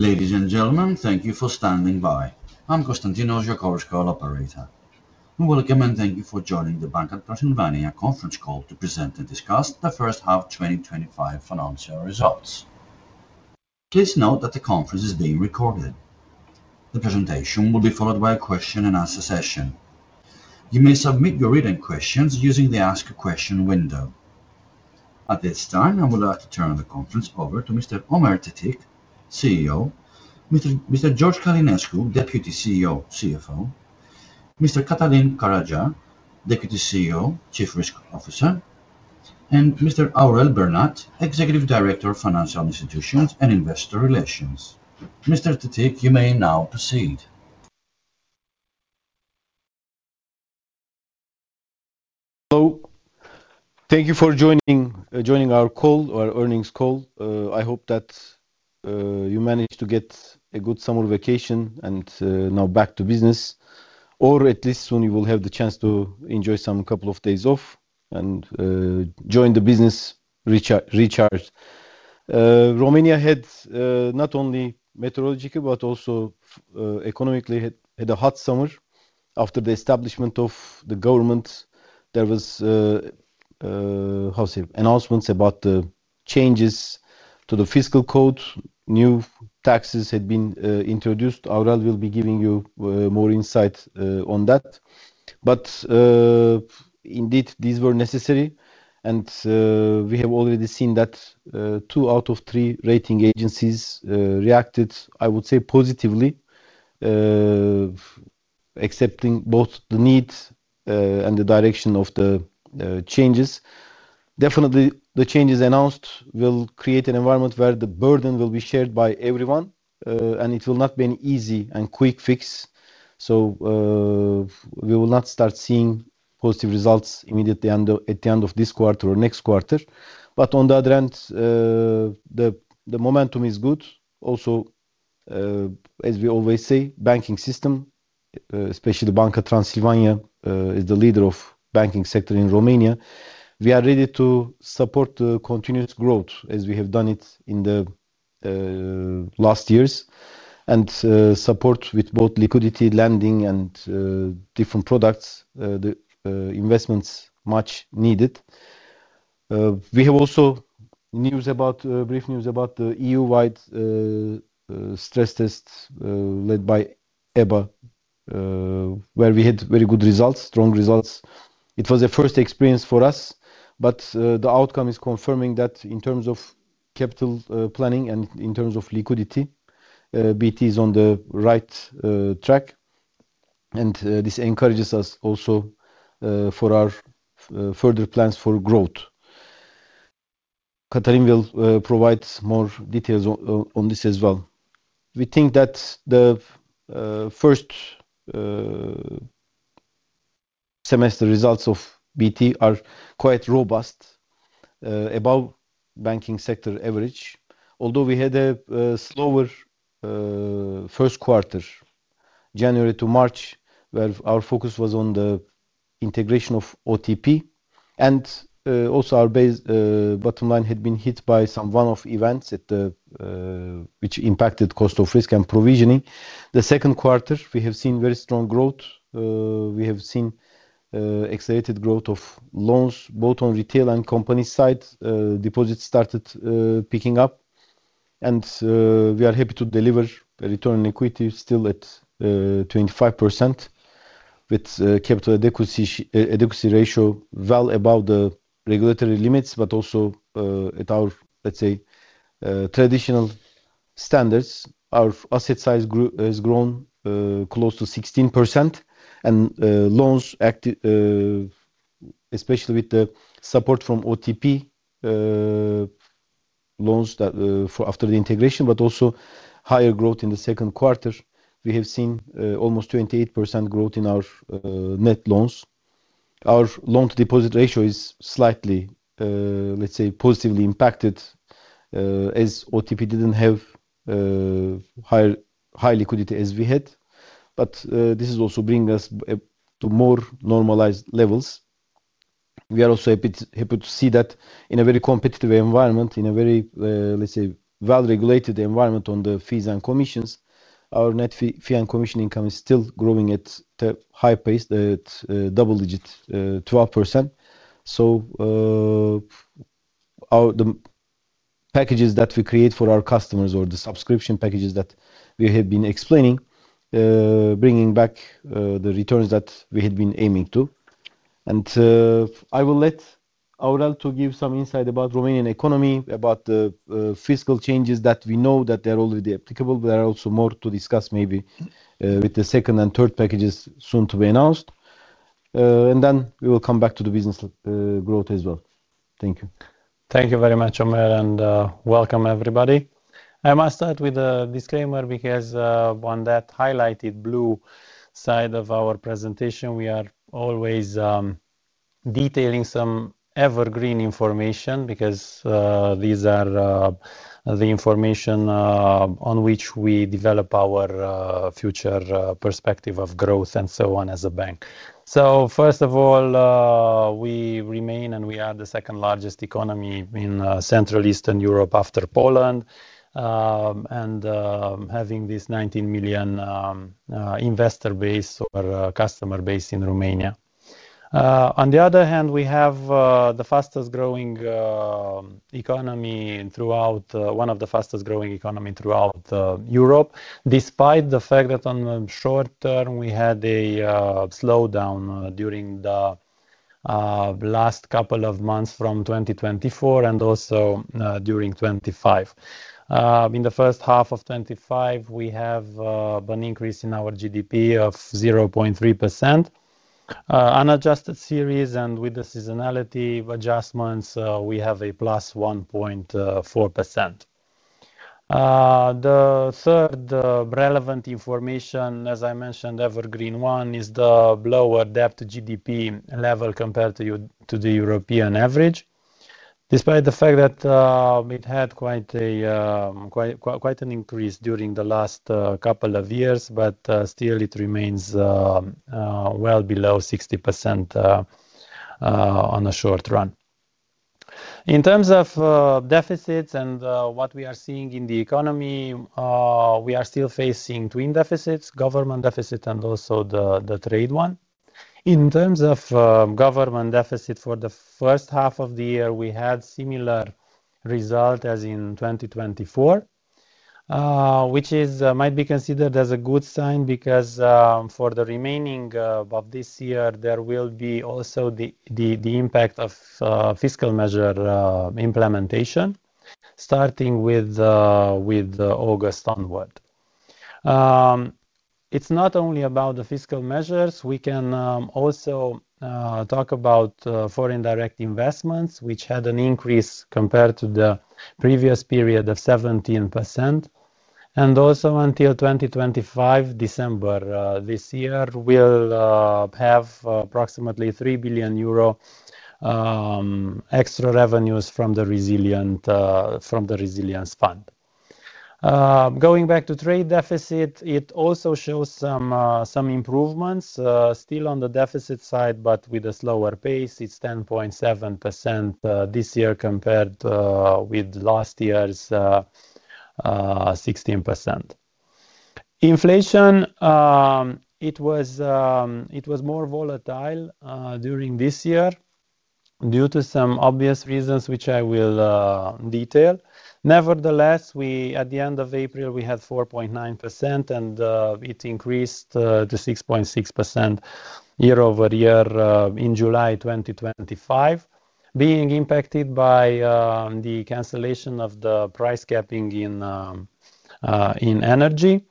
Ladies and gentlemen, thank you for standing by. I'm Konstantinos, your Chorus Call operator. Welcome and thank you for joining the Banca Transilvania Conference Call to present and discuss the first half 2025 financial results. Please note that the conference is being recorded. The presentation will be followed by a question-and-answer session. You may submit your written questions using the ask question window. At this time I would like to turn the conference over to Mr. Ömer Tetik, CEO, Mr. George Călinescu, Deputy CEO, CFO, Mr. Cătălin Caragea, Deputy CEO, Chief Risk Officer, and Mr. Aurel Bernat, Executive Director of Financial Institutions and Investor Relations. Mr. Tetik, you may now proceed. Thank you for joining our call, our earnings call. I hope that you managed to get a good summer vacation and now back to business or at least soon you will have the chance to enjoy some couple of days off and join the business recharge. Romania had not only meteorologically but also economically had a hot summer after the establishment of the government. There was also announcements about the changes to the fiscal code, new taxes had been introduced. Aurel will be giving you more insight on that. Indeed these were necessary and we have already seen that two out of three rating agencies reacted, I would say positively, accepting both the needs and the direction of the changes. Definitely the changes announced will create an environment where the burden will be shared by everyone and it will not be an easy and quick fix. We will not start seeing positive results immediately at the end of this quarter or next quarter. On the other hand the momentum is good also as we always say, banking system, especially Banca Transilvania is the leader of banking sector in Romania. We are ready to support the continuous growth as we have done it in the last years and support with both liquidity lending and different products, the investments much needed. We have also news about brief news about the EU wide stress test led by EBA where we had very good results, strong results. It was the first experience for us. The outcome is confirming that in terms of capital planning and in terms of liquidity, BT is on the right track and this encourages us also for our further plans for growth. Cătălin will provide more details on this as well. We think that the first semester results of BT are quite robust above banking sector average. Although we had a slower first quarter January to March where our focus was on the integration of OTP and also our base bottom line had been hit by some one off events which impacted cost of risk and provisioning. The second quarter we have seen very strong growth. We have seen accelerated growth of loans both on retail and company side. Deposits started picking up and we are happy to deliver the return on equity still at the 25% with capital adequacy ratio well above the regulatory limits, but also at our, let's say traditional standards. Our asset size has grown close to 16%. Loans, especially with the support from OTP loans after the integration, but also higher growth in the second quarter, we have seen almost 28% growth in our net loans. Our loan-to-deposit ratio is slightly, let's say, positively impacted as OTP didn't have high liquidity as we had. This is also bringing us to more normalized levels. We are also happy to see that in a very competitive environment, in a very, let's say, well-regulated environment. On the fees and commissions, our net fee and commission income is still growing at high pace at double-digit 12%. The packages that we create for our customers or the subscription packages that we had been explaining, bringing back the returns that we had been aiming to and I will let you. I would like to give some insight about Romanian economy, about the fiscal changes that we know that they're already applicable. There are also more to discuss maybe with the second and third packages soon to be announced and then we will come back to the business growth as well. Thank you. Thank you very much, Ömer, and welcome everybody. I must start with a disclaimer because on that highlighted blue side of our presentation we are always detailing some evergreen information because these are the information on which we develop our future perspective of growth and so on as a bank. First of all, we remain and we are the second largest economy in Central Eastern Europe after Poland and having this 19 million investor base or customer base in Romania. On the other hand, we have the fastest growing economy, one of the fastest growing economies throughout Europe, despite the fact that in the short-term we had a slowdown during the last couple of months from 2024 and also during 2025. In the first half of 2025, we have an increase in our GDP of 0.3% unadjusted series and with the seasonality adjustments we have a 1.4%. The third relevant information, as I mentioned, evergreen one, is the lower debt-to-GDP level compared to the European average. Despite the fact that it had quite an increase during the last couple of years, it still remains well below 60% in the short run. In terms of deficits and what we are seeing in the economy, we are still facing twin deficits, government deficit and also the trade one. In terms of government deficit for the first half of the year, we had a similar result as in 2024, which might be considered as a good sign because for the remaining of this year there will also be the impact of fiscal measure implementation starting with August onward. It's not only about the fiscal measures. We can also talk about foreign direct investments, which had an increase compared to the previous period of 17%. Also, until December 2025, this year we'll have approximately €3 billion extra revenues from the resilience fund. Going back to trade deficit, it also shows some improvements, still on the deficit side, but with a slower pace. It's 10.7% this year compared with last year's 16%. Inflation was more volatile during this year due to some obvious reasons which I will detail. Nevertheless, at the end of April we had 4.9% and it increased to 6.6% year-over-year in July 2025, being impacted by the cancellation of the price capping in energy.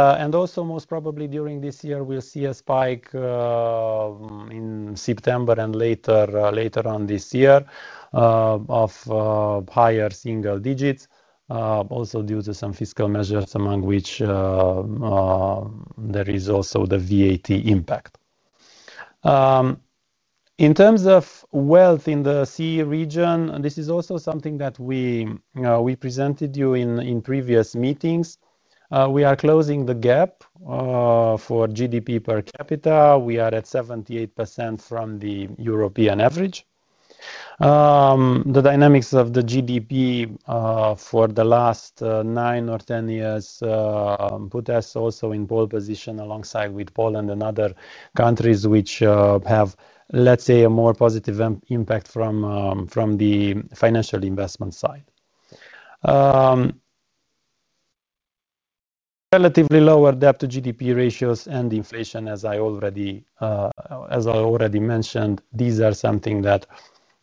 Most probably during this year we'll see a spike in September and later on this year of higher single-digits also due to some fiscal measures, among which there is also the VAT impact in terms of wealth in the CE region. This is also something that we presented you in previous meetings. We are closing the gap. For GDP per capita we are at 78% from the European average. The dynamics of the GDP for the last nine or 10 years put us also in pole position alongside with Poland and other countries which have, let's say, a more positive impact from the financial investment side. Relatively lower debt to GDP ratios and inflation. As I already mentioned, these are something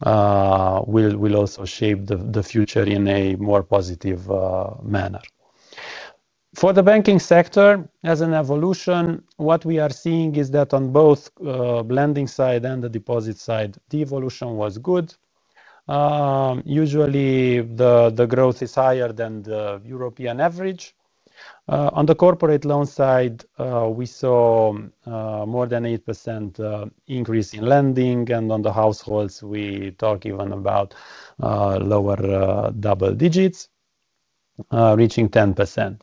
that will also shape the future in a more positive manner for the banking sector. As an evolution, what we are seeing is that on both lending side and the deposit side, the evolution was good. Usually the growth is higher than the European average. On the corporate loan side, we saw more than 8% increase in lending. On the households, we talk even about lower double-digits reaching 10%.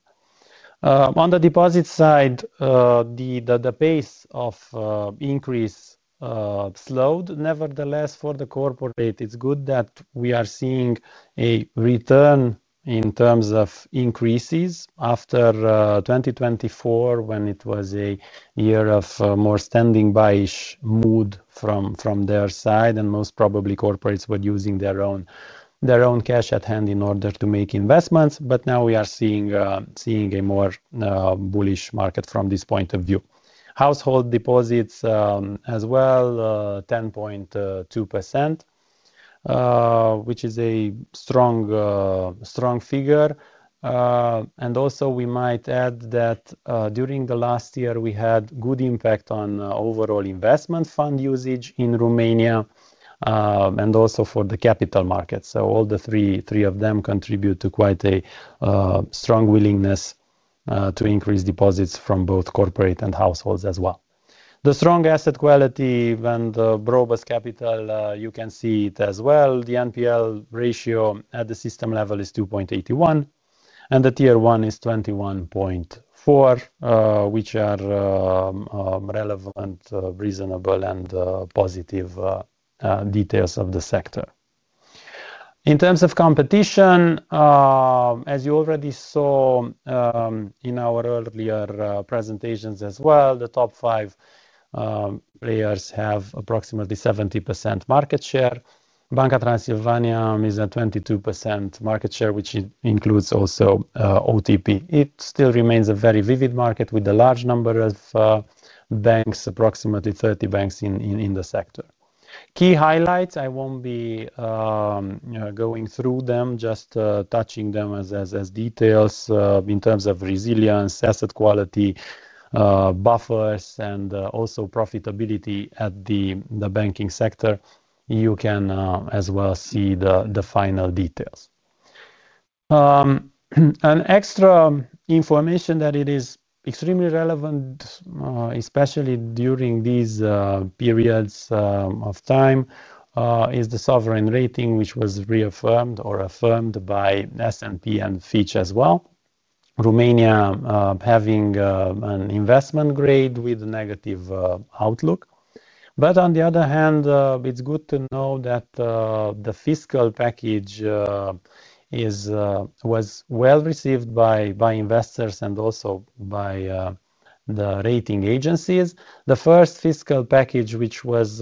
On the deposit side, the pace of increase slowed. Nevertheless, for the corporate rate, it's good that we are seeing a return in terms of increases after 2024, when it was a year of more standing by-ish mood from their side. Most probably, corporates were using their own cash at hand in order to make investments. Now we are seeing a more bullish market from this point of view. Household deposits as well, 10.2%, which is a strong, strong figure. We might add that during the last year we had good impact on overall investment fund usage in Romania and also for the capital market. All three of them contribute to quite a strong willingness to increase deposits from both corporate and households as well as the strong asset quality and robust capital. You can see it as well. The NPL ratio at the system level is 2.8% and the Tier 1 is 21.4%, which are relevant, reasonable, and positive details of the sector. In terms of competition, as you already saw in our earlier presentations as well, the top five players have approximately 70% market share. Banca Transilvania is at 22% market share, which includes also OTP. It still remains a very vivid market with a large number of banks, approximately 30 banks in the sector. Key highlights, I won't be going through them, just touching them as details in terms of resilience, asset quality buffers, and also profitability at the banking sector. You can as well see the final details. An extra information that is extremely relevant, especially during these periods of time, is the sovereign rating, which was reaffirmed or affirmed by S&P and Fitch as well. Romania has an investment grade with negative outlook. On the other hand, it's good to know that the fiscal package was well received by investors and also by the rating agencies. The first fiscal package which was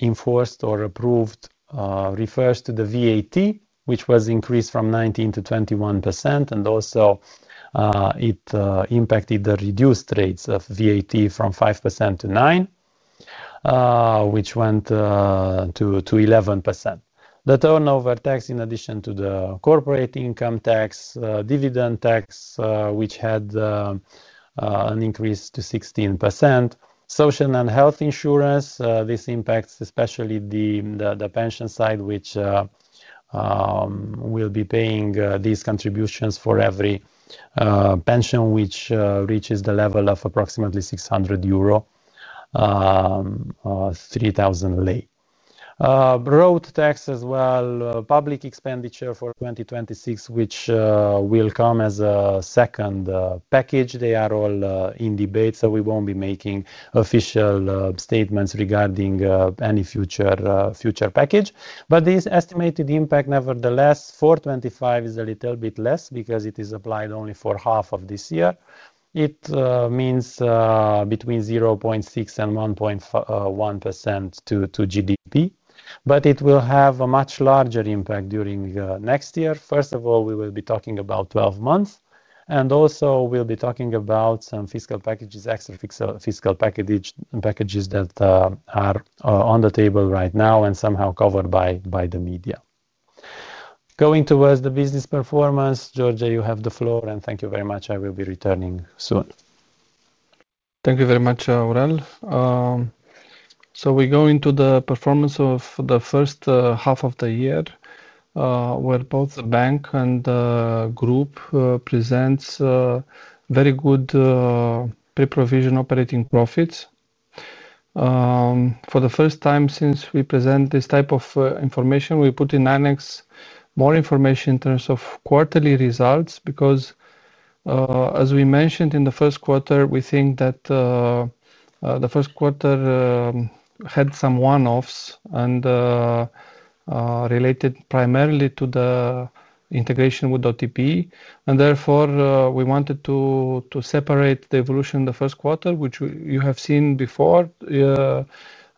enforced or approved refers to the VAT which was increased from 19% to 21% and also it impacted the reduced rates of VAT from 5%-9% which went to 11%. The turnover tax in addition to the corporate income tax, dividend tax which had an increase to 16%. Social and health insurance. This impacts especially the pension side which will be paying these contributions for every pension which reaches the level of approximately €600, RON 3,000. Late broad tax as well, public expenditure for 2026 which will come as a second package. They are all in debate, so we won't be making official statements regarding any future future package. This estimated impact nevertheless for is a little bit less because it is applied only for half of this year. It means between 0.6% and 1.1% to GDP. It will have a much larger impact during next year. First of all, we will be talking about 12 months and also we'll be talking about some fiscal packages, extra fiscal packages that are on the table right now and somehow covered by the media. Going towards the business performance. George, you have the floor and thank you very much. I will be returning soon. Thank you very much, Aurel. We go into the performance of the first half of the year where both the bank and group present very good pre-provision operating profits for the first time. Since we present this type of information, we put in annex more information in terms of quarterly results because, as we mentioned in the first quarter, we think that the first quarter had some one-offs and related primarily to the integration with OTP. Therefore, we wanted to separate the evolution in the first quarter, which you have seen before,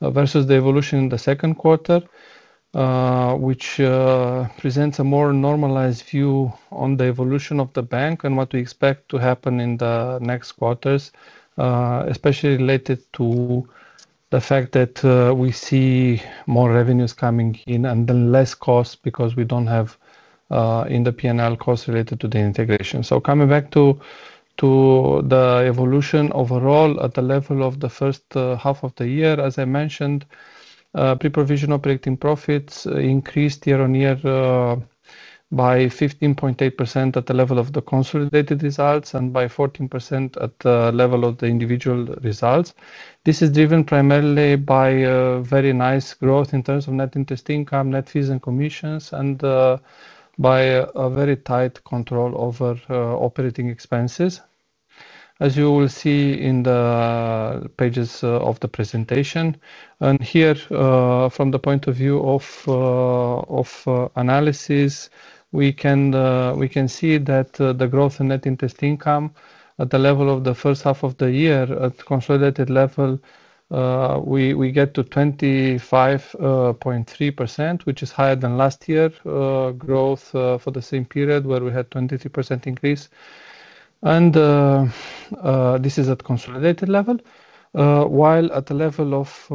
versus the evolution in the second quarter, which presents a more normalized view on the evolution of the bank and what we expect to happen in the next quarters. This is especially related to the fact that we see more revenues coming in and then less cost because we don't have in the P&L costs related to the integration. Coming back to the evolution overall at the level of the first half of the year, as I mentioned, pre-provision operating profits increased year-on-year by 15.8% at the level of the consolidated results and by 14% at the level of the individual results. This is driven primarily by very nice growth in terms of net interest income, net fee and commission income, and by a very tight control over operating expenses, as you will see in the pages of the presentation and here. From the point of view of analysis, we can see that the growth in net interest income at the level of the first half of the year at consolidated level gets to 25.3%, which is higher than last year growth for the same period where we had 23% increase. This is at consolidated level, while at the level of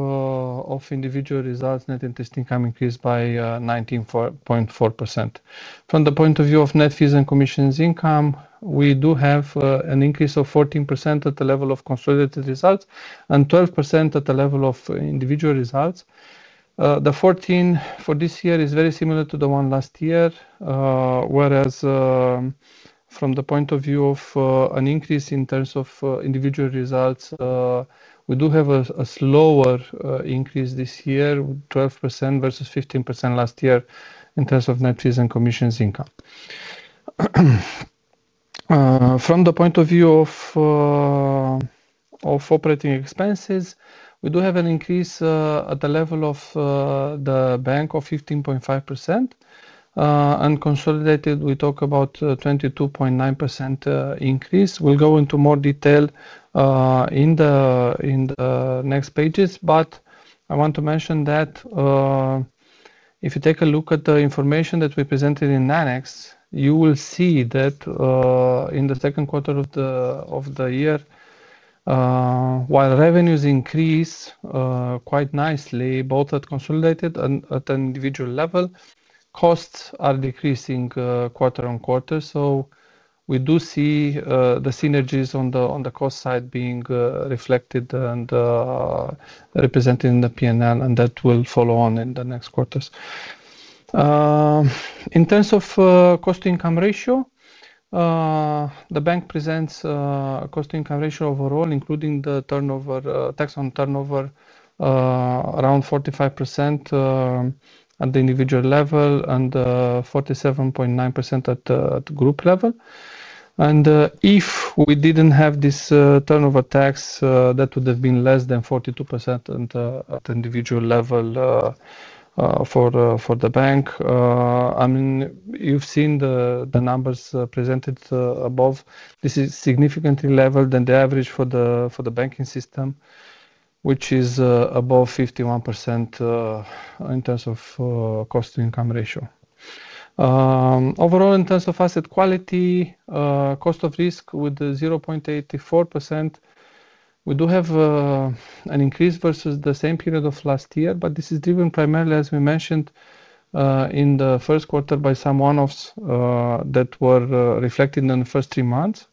individual results net interest income increased by 19.4%. From the point of view of net fee and commission income, we do have an increase of 14% at the level of consolidated results and 12% at the level of individual results. The 14% for this year is very similar to the one last year, whereas from the point of view of an increase in terms of individual results, we do have a slower increase this year, 12% versus 15% last year in terms of net fee and commission income. From the point of view of operating expenses, we do have an increase at the level of the bank of 15.5%. Unconsolidated, we talk about 22.9% increase. We'll go into more detail in the next pages, but I want to mention that if you take a look at the information that we presented in Nanext, you will see that in the second quarter of the year, while revenues increase quite nicely both at consolidated and at an individual level, costs are decreasing quarter on quarter. We do see the synergies on the cost side being reflected and represented in the PNL, and that will follow on in the next quarters. In terms of cost income ratio, the bank presents cost income ratio overall including the turnover tax on turnover around 45% at the individual level and 47.9% at group level. If we didn't have this turnover tax that would have been less than 42% at individual level for the bank. I mean you've seen the numbers presented above. This is significantly lower than the average for the banking system which is above 51% in terms of cost to income ratio overall. In terms of asset quality, cost of risk with 0.84% we do have an increase versus the same period of last year, but this is driven primarily, as we mentioned in the first quarter, by some one offs that were reflected in the first three months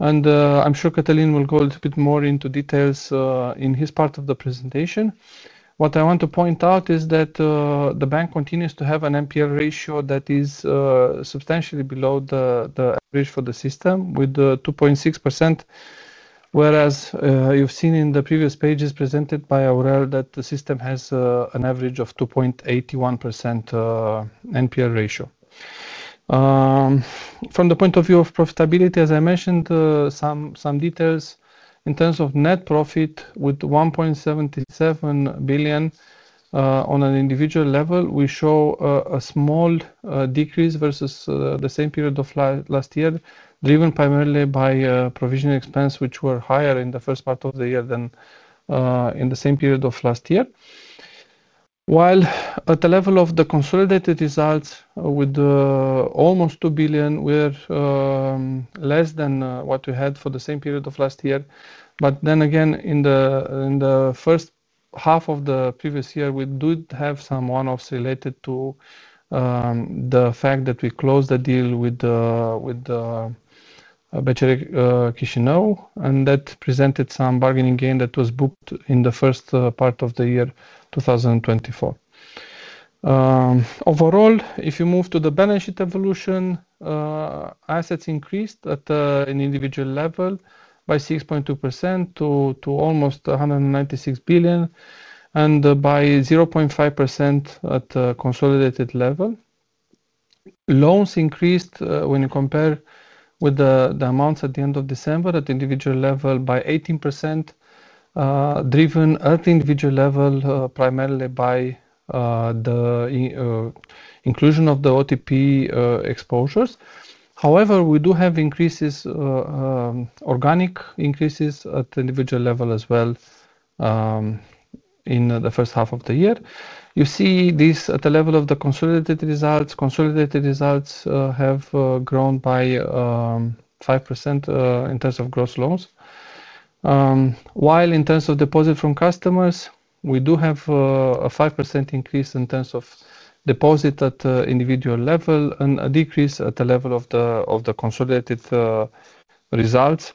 and I'm sure Cătălin will go a little bit more into details in his part of the presentation. What I want to point out is that the bank continues to have an NPL ratio that is substantially below the risk for the system with 2.6% whereas you've seen in the previous pages presented by Aurel that the system has an average of 2.81% NPL ratio. From the point of view of profitability, as I mentioned some details, in terms of net profit with RON 1.77 billion. On an individual level we show a small decrease versus the same period of last year driven primarily by provisional expense which were higher in the first part of the year than in the same period of last year. While at the level of the consolidated results with almost RON 2 billion, we're less than what we had for the same period of last year, but in the first half of the previous year we did have some one offs related to the fact that we closed the deal with Victoria Chisinau and that presented some bargaining gain that was booked in the first part of the year 2024. Overall, if you move to the balance sheet evolution, assets increased at an individual level by 6.2% to almost RON 196 billion and by 0.5% at consolidated level. Loans increased when you compare with the amounts at the end of December at the individual level by 18%, driven at the individual level primarily by the inclusion of the OTP exposures. However, we do have increases, organic increases at the individual level as well. In the first half of the year, you see this at the level of the consolidated results. Consolidated results have grown by 5% in terms of gross loans, while in terms of deposit from customers we do have a 5% increase in terms of deposit at individual level and a decrease at the level of the consolidated results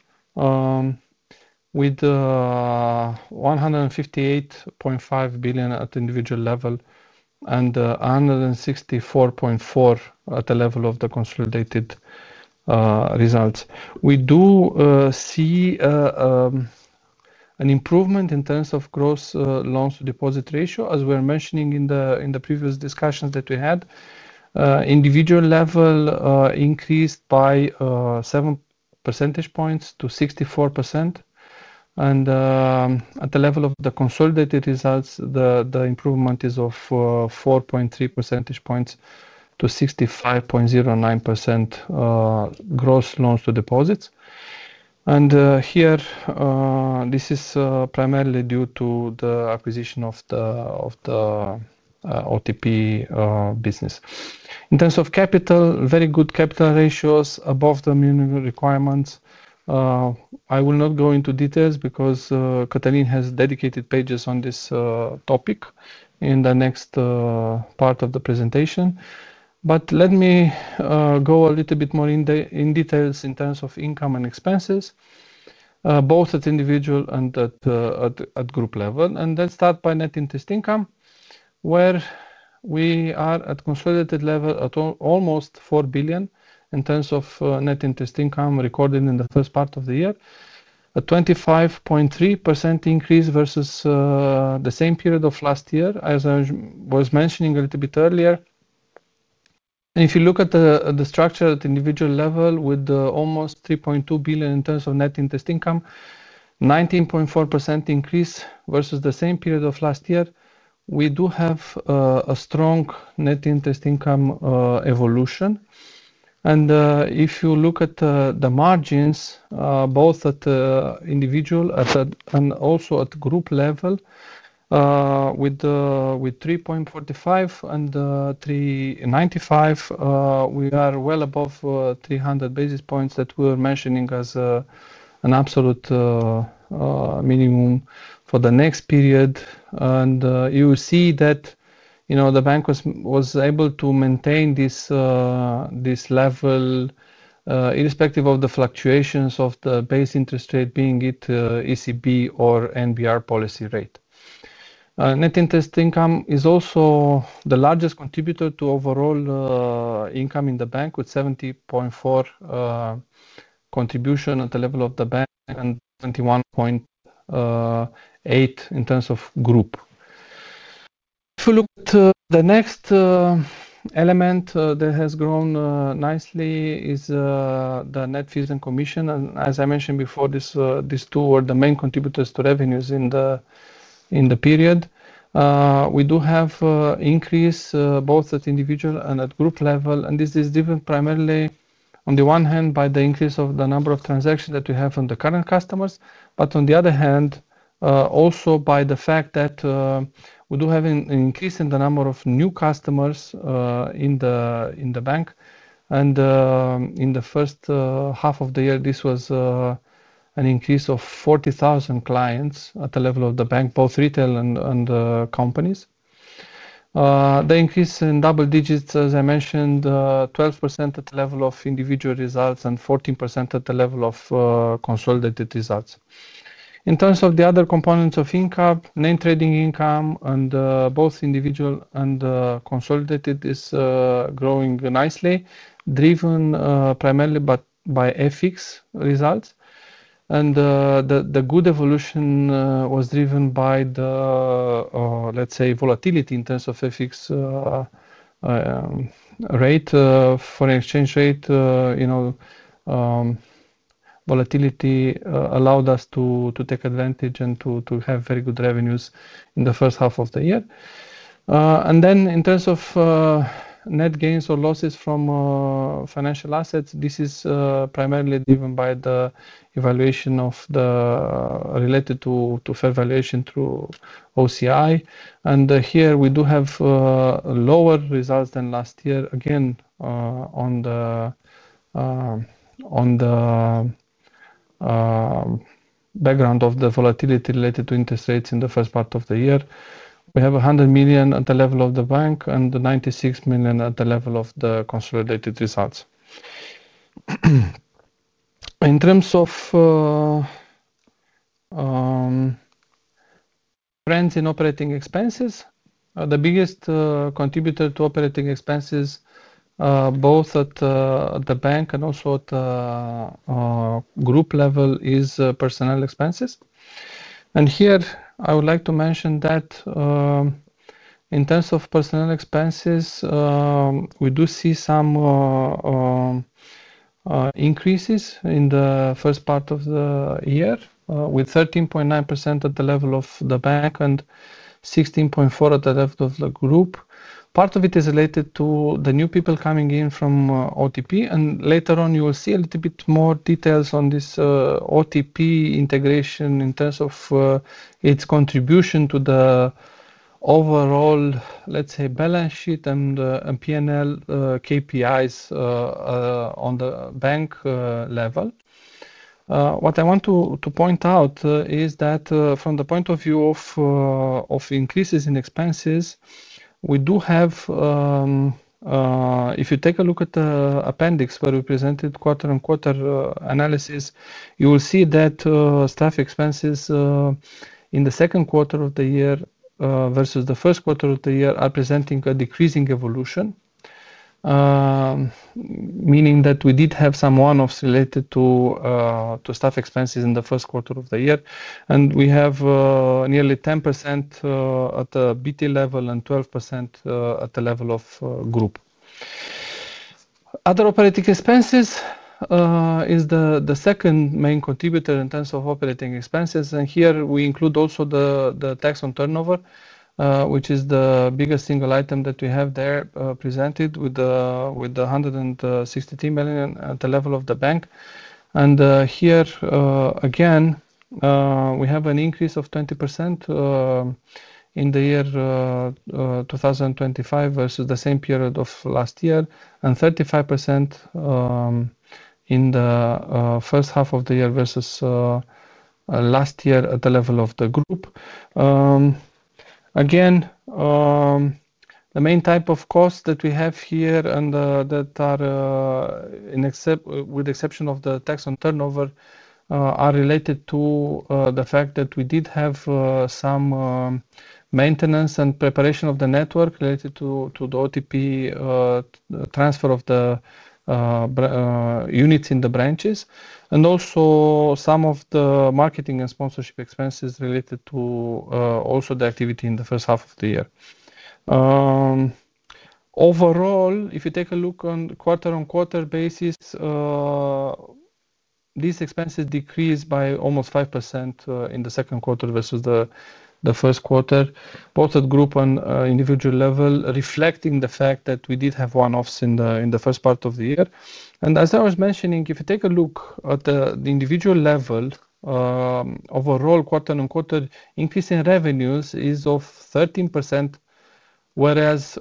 with RON 158.5 billion at the individual level and RON 164.4 billion at the level of the consolidated results. We do see an improvement in terms of gross loans to deposit ratio as we were mentioning in the previous discussions that we had. Individual level increased by 7 percentage points to 64% and at the level of the consolidated results the improvement is of 4.3 percentage points to 65.09% gross loans to deposits. This is primarily due to the acquisition of the OTP business. In terms of capital, very good capital ratios above the minimum requirements. I will not go into details because Cătălin has dedicated pages on this topic in the next part of the presentation. Let me go a little bit more in details in terms of income and expenses both at individual and at group level and then start by net interest income where we are at consolidated level at almost RON 4 billion in terms of net interest income recorded in the first part of the year, a 25.3% increase versus the same period of last year. As I was mentioning a little bit earlier, if you look at the structure at the individual level with almost RON 3.2 billion in terms of net interest income, 19.4% increase versus the same period of last year, we do have a strong net interest income evolution. If you look at the margins both at individual and also at group level with 3.45% and 3.95%, we are well above 300 basis points that we were mentioning as an absolute minimum for the next period. You see that the bank was able to maintain this level irrespective of the fluctuations of the base interest rate, being it ECB or NBR policy rate. Net interest income is also the largest contributor to overall income in the bank with 70.4% contribution at the level of the bank and 21.8% in terms of group. If you look to the next element that has grown nicely, it is the net fee and commission, and as I mentioned before, these two are the main contributors to revenues in the period. We do have increase both at individual and at group level. This is different primarily on the one hand by the increase of the number of transactions that we have from the current customers, but on the other hand also by the fact that we do have an increase in the number of new customers in the bank, and in the first half of the year this was an increase of 40,000 clients at the level of the bank, both retail and companies. They increase in double-digits, as I mentioned, 12% at the level of individual results and 14% at the level of consolidated results. In terms of the other components of income, namely trading income, both individual and consolidated is growing nicely, driven primarily by FX results. The good evolution was driven by the, let's say, volatility in terms of FX rate, foreign exchange rate. Volatility allowed us to take advantage and to have very good revenues in the first half of the year. In terms of net gains or losses from financial assets, this is primarily driven by the evaluation related to fair valuation through OCI. Here we do have lower results than last year. Again, on the background of the volatility related to interest rates in the first part of the year, we have RON 100 million at the level of the bank and RON 96 million at the level of the consolidated results. In terms of rents in operating expenses, the biggest contributor to operating expenses both at the bank and also at group level is personnel expenses. Here I would like to mention that in terms of personnel expenses, we do see some increases in the first part of the year, with 13.9% at the level of the bank and 16.4% at the level of the group. Part of it is related to the new people coming in from OTP. Later on you will see a little bit more details on this OTP integration in terms of its contribution to the overall, let's say, balance sheet and P&L KPIs on the bank level. What I want to point out is that from the point of view of increases in expenses, we do have, if you take a look at the appendix where we presented quarter on quarter analysis, you will see that staff expenses in the second quarter of the year versus the first quarter of the year are presenting a decreasing evolution. Meaning that we did have some one-offs related to staff expenses in the first quarter of the year. We have nearly 10% at the BT level and 12% at the level of group. Other operating expenses is the second main contributor in terms of operating expenses. Here we include also the tax on turnover, which is the biggest single item that we have there, presented with the 163 million at the level of the bank. Here again we have an increase of 20% in the year 2025 versus the same period of last year and 35% in the first half of the year versus last year at the level of the group. The main type of costs that we have here, with the exception of the tax on turnover, are related to the fact that we did have some maintenance and preparation of the network related to the OTP transfer of the unity in the branches and also some of the marketing and sponsorship expenses related to the activity in the first half of the year. Overall, if you take a look on a quarter-on-quarter basis, these expenses decreased by almost 5% in the second quarter versus the first quarter both at group and individual level, reflecting the fact that we did have one-offs in the first part of the year. As I was mentioning, if you take a look at the individual level, overall quarter-on-quarter increasing revenues is of 13% whereas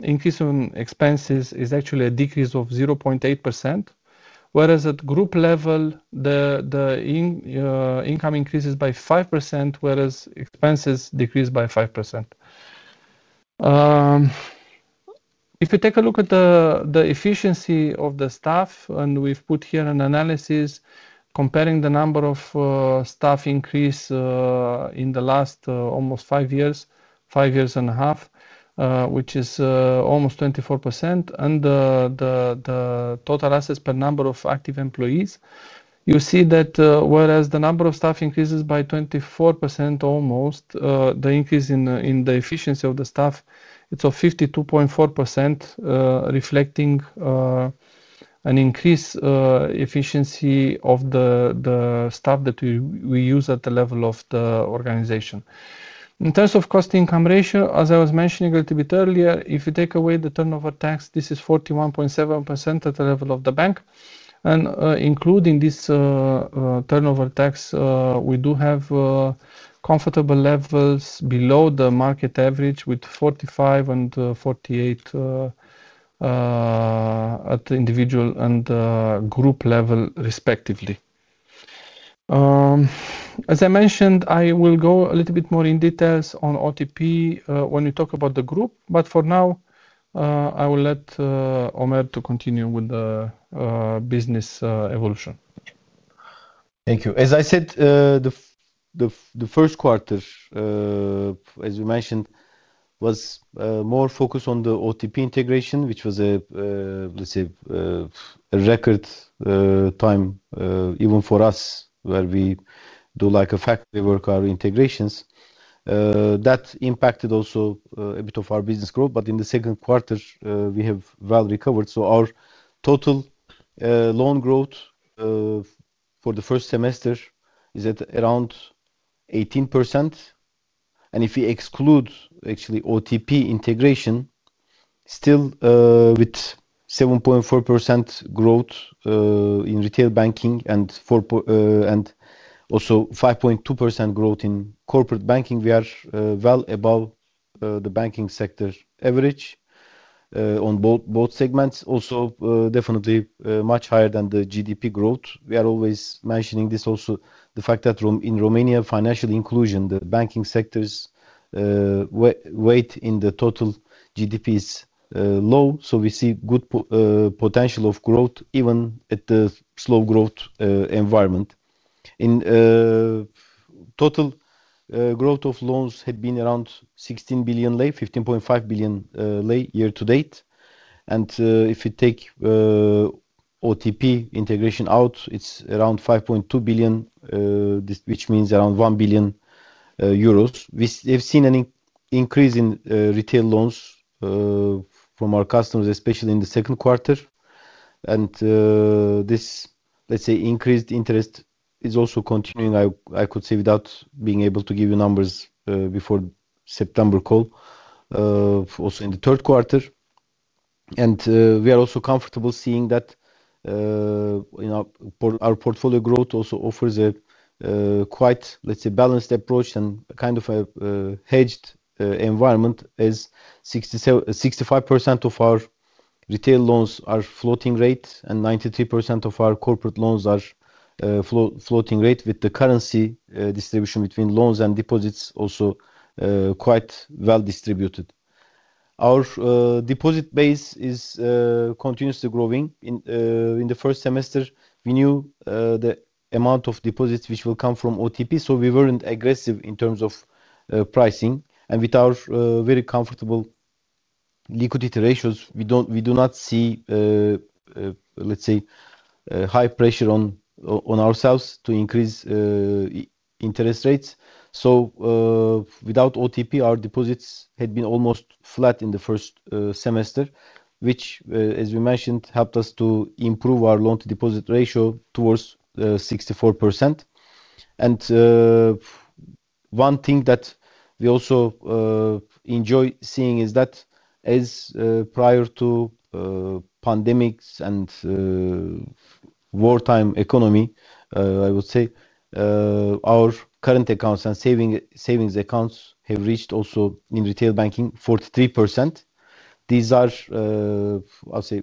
increase on expenses is actually a decrease of 0.8%. At group level, the income increases by 5% whereas expenses decrease by 5%. If you take a look at the efficiency of the staff, we've put here an analysis comparing the number of staff increase in the last almost five years, five years and a half, which is almost 24%, and the total assets per number of active employees. You see that whereas the number of staff increases by 24%, the increase in the efficiency of the staff is 52.4%, reflecting an increased efficiency of the staff that we use at the level of the organization in terms of cost income ratio. As I was mentioning a little bit earlier, if you take away the turnover tax, this is 41.7% at the level of the bank. Including this turnover tax, we do have comfortable levels below the market average with 45% and 48% at the individual and group level respectively. As I mentioned, I will go a little bit more in details on OTP when we talk about the group. For now I will let Ömer Tetik continue with the business evolution. Thank you. As I said, the first quarter as you mentioned was more focused on the OTP integration, which was a, let's say, a record time even for us, where we do like a factory work. Our integrations that impacted also a bit of our business growth. In the second quarter we have well recovered. Our total loan growth for the first semester is at around 18%. If we exclude actually OTP integration, still with 7.4% growth in retail banking and also 5.2% growth in corporate banking, we are well above the banking sector average on both segments. Also definitely much higher than the GDP growth. We are always mentioning this. Also the fact that in Romania financial inclusion, the banking sector's weight in the total GDP is low. We see good potential of growth even at the slow growth environment. In total, growth of loans had been around RON 16 billion, RON 15.5 billion year-to-date. If you take OTP integration out, it's around RON 5.2 billion, which means around €1 billion. We have seen an increase in retail loans from our customers, especially in the second quarter. This, let's say, increased interest is also continuing, I could say, without being able to give you numbers before September call, also in the third quarter. We are also comfortable seeing that our portfolio growth also offers a quite, let's say, balanced approach and kind of a hedged environment, as 65% of our retail loans are floating rate and 93% of our corporate loans are floating rate. With the currency distribution between loans and deposits also quite well distributed, our deposit base is continuously growing. In the first semester we knew the amount of deposits which will come from OTP, so we weren't aggressive in terms of pricing. With our very comfortable liquidity ratios, we do not see, let's say, high pressure on ourselves to increase interest rates. Without OTP, our deposits had been almost flat in the first semester, which as we mentioned helped us to improve our loan-to-deposit ratio towards 64%. One thing that we also enjoy seeing is that as prior to pandemics and wartime economy, I would say our current accounts and savings accounts have reached also. In retail banking, 43% these are, I'll say,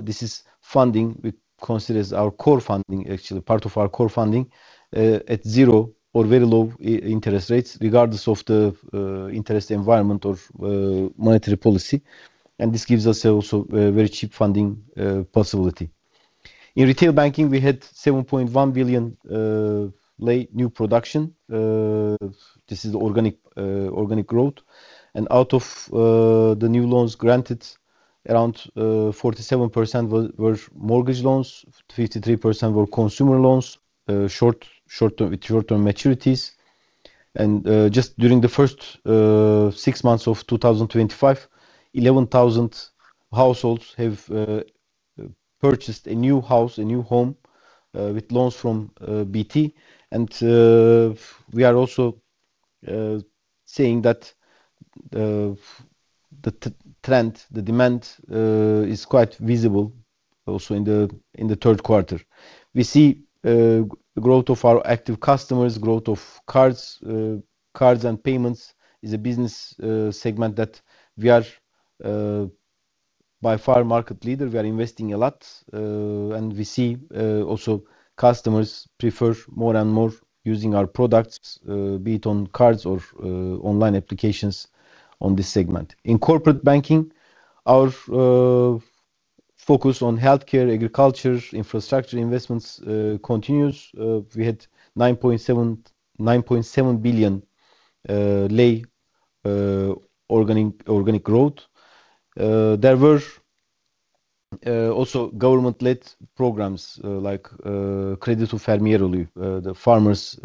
this is funding we consider as our core funding, actually part of our core funding at zero or very low interest rates regardless of the interest environment or monetary policy. This gives us also very cheap funding possibility. In retail banking we had RON 7.1 billion lei new production. This is organic growth. Out of the new loans granted, around 47% were mortgage loans, 53% were consumer loans, short term maturities, and just during the first six months of 2025, 11,000 households have purchased a new house, a new home with loans from Banca Transilvania. We are also saying that the trend, the demand, is quite visible. Also, in the third quarter we see growth of our active customers. Growth of cards, cards and payments is a business segment that we are by far market leader. We are investing a lot and we see also customers prefer more and more using our products, be it on cards or online applications. On this segment, in corporate banking, our focus on healthcare, agriculture, infrastructure investments continues. We had RON 9.7 billion lei organic growth, diverse also government led programs like Creditul Fermierului, the Farmers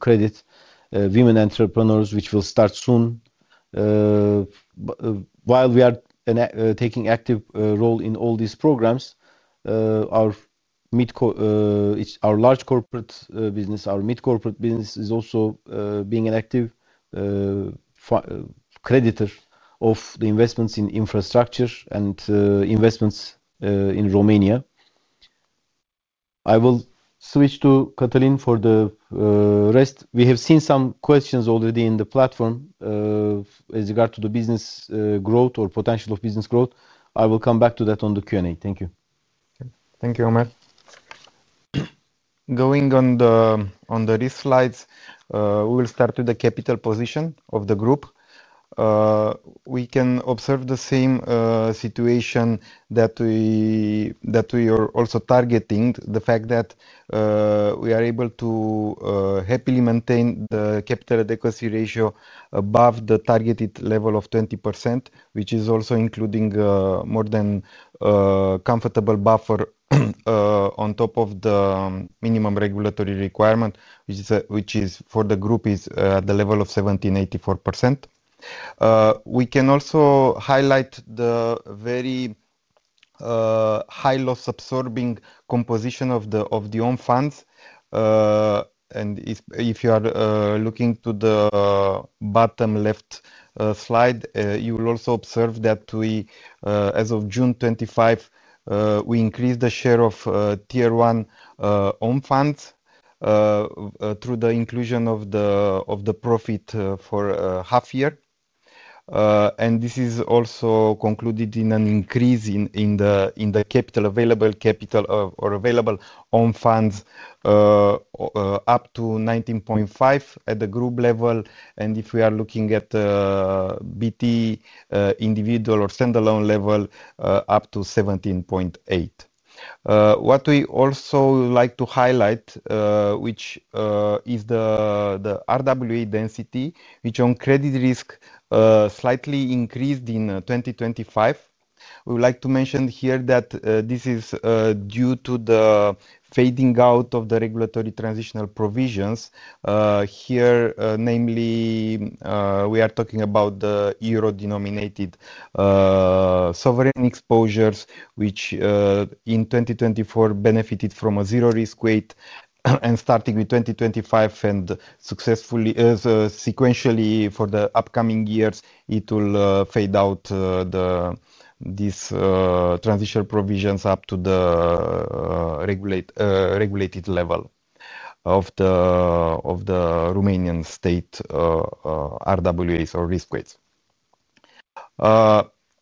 Credit, Women Entrepreneurs which will start soon. While we are taking active role in all these programs, our midco, our large corporate business, our mid corporate business is also being an active creditor of the investments in infrastructure and investments in Romania. I will switch to Cătălin for the rest. We have seen some questions already in the platform with regard to the business growth or potential of business growth. I will come back to that on the Q&A. Thank you. Thank you, Ömer. Going on the risk slides, we will start with the capital position of the group. We can observe the same situation that we are also targeting. The fact that we are able to happily maintain the capital adequacy ratio above the targeted level of 20%, which is also including more than comfortable buffer on top of the minimum regulatory requirement, which for the group is the level of 17.84%. We can also highlight the very high loss absorbing composition of the own funds. If you are looking to the bottom left slide, you will also observe that as of June 25th, we increased the share of Tier 1 own funds through the inclusion of the profit for half year. This is also concluded in an increase in the available capital or available own funds up to 19.5% at the group level. If we are looking at BT individual or standalone level, up to 17.8%. What we also like to highlight is the RWA density, which on credit risk slightly increased in 2025. We would like to mention here that this is due to the fading out of the regulatory transitional provisions here. Namely, we are talking about the euro denominated sovereign exposures, which in 2024 benefited from a zero risk weight, and starting with 2025 and successfully sequentially for the upcoming years, it will fade out this transition provisions up to the regulated level of the Romanian state RWAs or risk weights.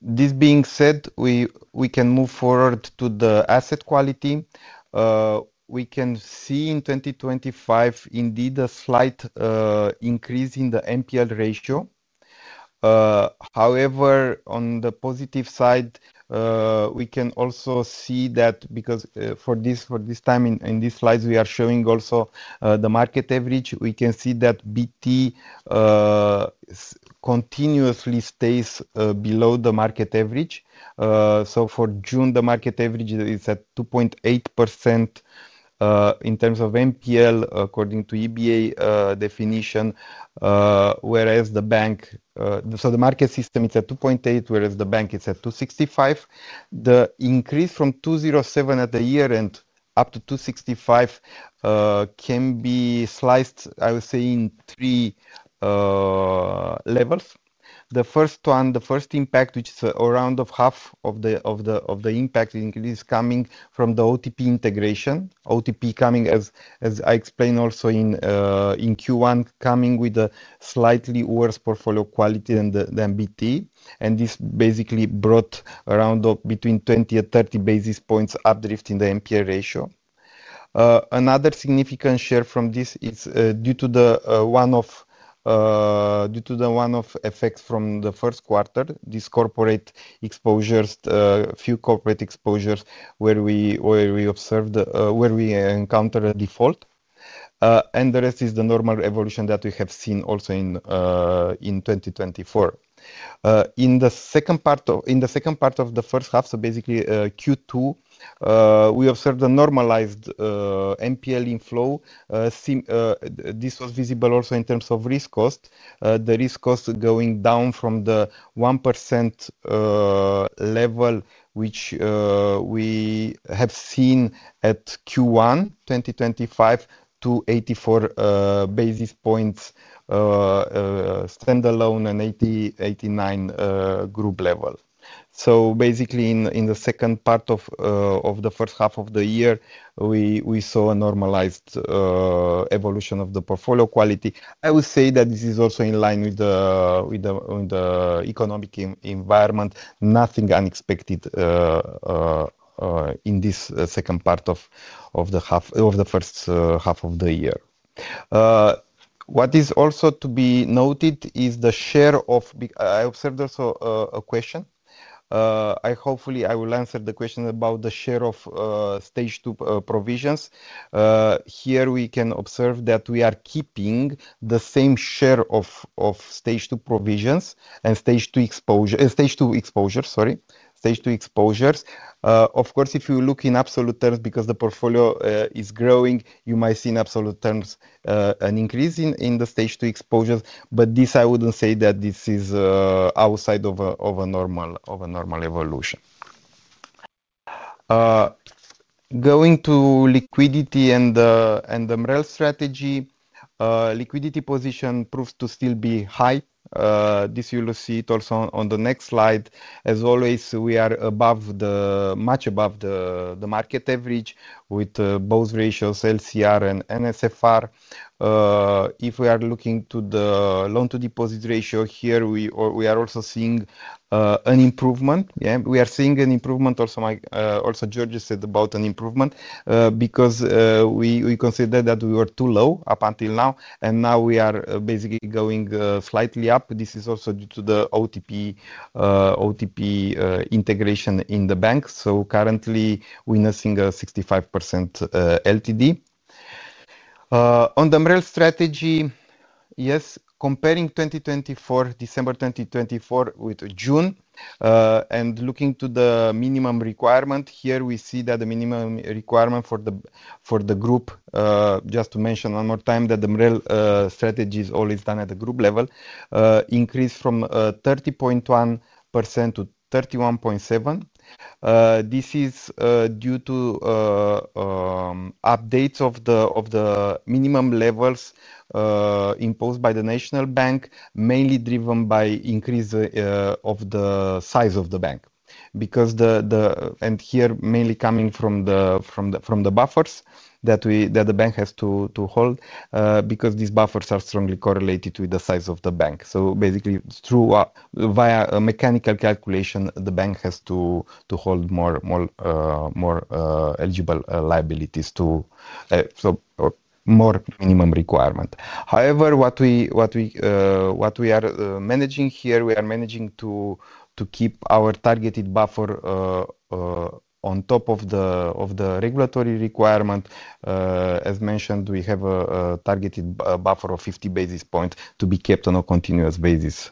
This being said, we can move forward to the asset quality. We can see in 2025 indeed a slight increase in the NPL ratio. However, on the positive side, we can also see that because for this time in these slides we are showing also the market average, we can see that BT continuously stays below the market average. For June, the market average is at 2.8% in terms of NPL according to the EBA definition, whereas the market system is at 2.8% and the bank is at 2.65%. The increase from 2.07% at the year-end up to 2.65% can be sliced, I would say, in three levels. The first one, the first impact, which is around half of the impact, is coming from the OTP integration. OTP, as I explained also in Q1, came with a slightly worse portfolio quality than BT, and this basically brought around between 20 and 30 basis points up drift in the NPL ratio. Another significant share from this is due to the one-off effects from the first quarter, these corporate exposures, a few corporate exposures where we observed, where we encountered a default, and the rest is the normal evolution that we have seen also in 2024 in the second part of the first half. Basically, in Q2, we observed a normalized NPL inflow. This was visible also in terms of risk cost. The risk cost went down from the 1% level, which we have seen at Q1 2024, to 84 basis points standalone and 80-89 level. In the second part of the first half of the year, we saw a normalized evolution of the portfolio quality. I would say that this is also in line with the economic environment. Nothing unexpected in this second part of the first half of the year. What is also to be noted is the share of, I observed also a question, hopefully I will answer the question about the share of stage two provisions. Here we can observe that we are keeping the same share of stage two provisions and stage two exposures. Of course, if you look in absolute terms, because the portfolio is growing, you might see in absolute terms an increase in the stage two exposures. I wouldn't say that this is outside of a normal level. Going to liquidity and the MREL strategy, liquidity position proves to still be high. This you'll see also on the next slide. As always, we are much above the market average with both ratios, LCR and NSFR. If we are looking to the loan-to-deposit ratio, here we are also seeing an improvement. We are seeing an improvement, also, as George said, about an improvement because we considered that we were too low up until now, and now we are basically going slightly up. This is also due to the OTP integration in the bank, so currently witnessing a 65% LTD on the MREL strategy. Yes, comparing December 2024 with June soon and looking to the minimum requirement, here we see that the minimum requirement for the group—just to mention one more time that the MREL strategy is always done at the group level—increased from 30.1%-31.7%. This is due to updates of the minimum levels imposed by the national bank, mainly driven by increase of the size of the bank because the buffers that the bank has to hold are strongly correlated with the size of the bank. Basically, through a mechanical calculation, the bank has to hold more eligible liabilities, so more minimum requirement. However, what we are managing here, we are managing to keep our targeted buffer on top of the regulatory requirement. As mentioned, we have a targeted buffer of 50 basis points to be kept on a continuous basis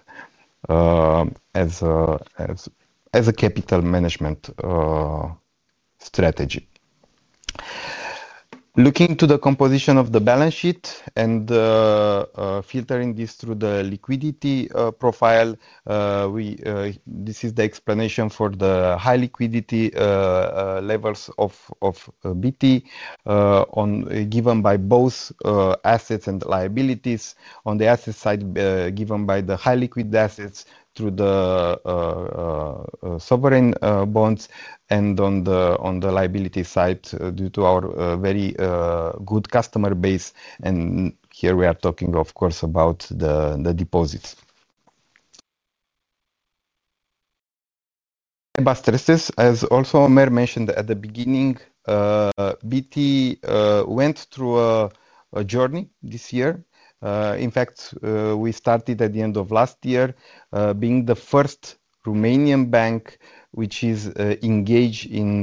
as a capital management strategy. Looking to the composition of the balance sheet and filtering this through the liquidity profile, this is the explanation for high liquidity levels of BT given by both assets and liabilities. On the asset side, given by the high liquid assets through the sovereign bonds, and on the liability side, due to our very good customer base. Here we are talking, of course, about the deposits. As also Ömer mentioned at the beginning, BT went through a journey this year. In fact, we started at the end of last year being the first Romanian bank which is engaged in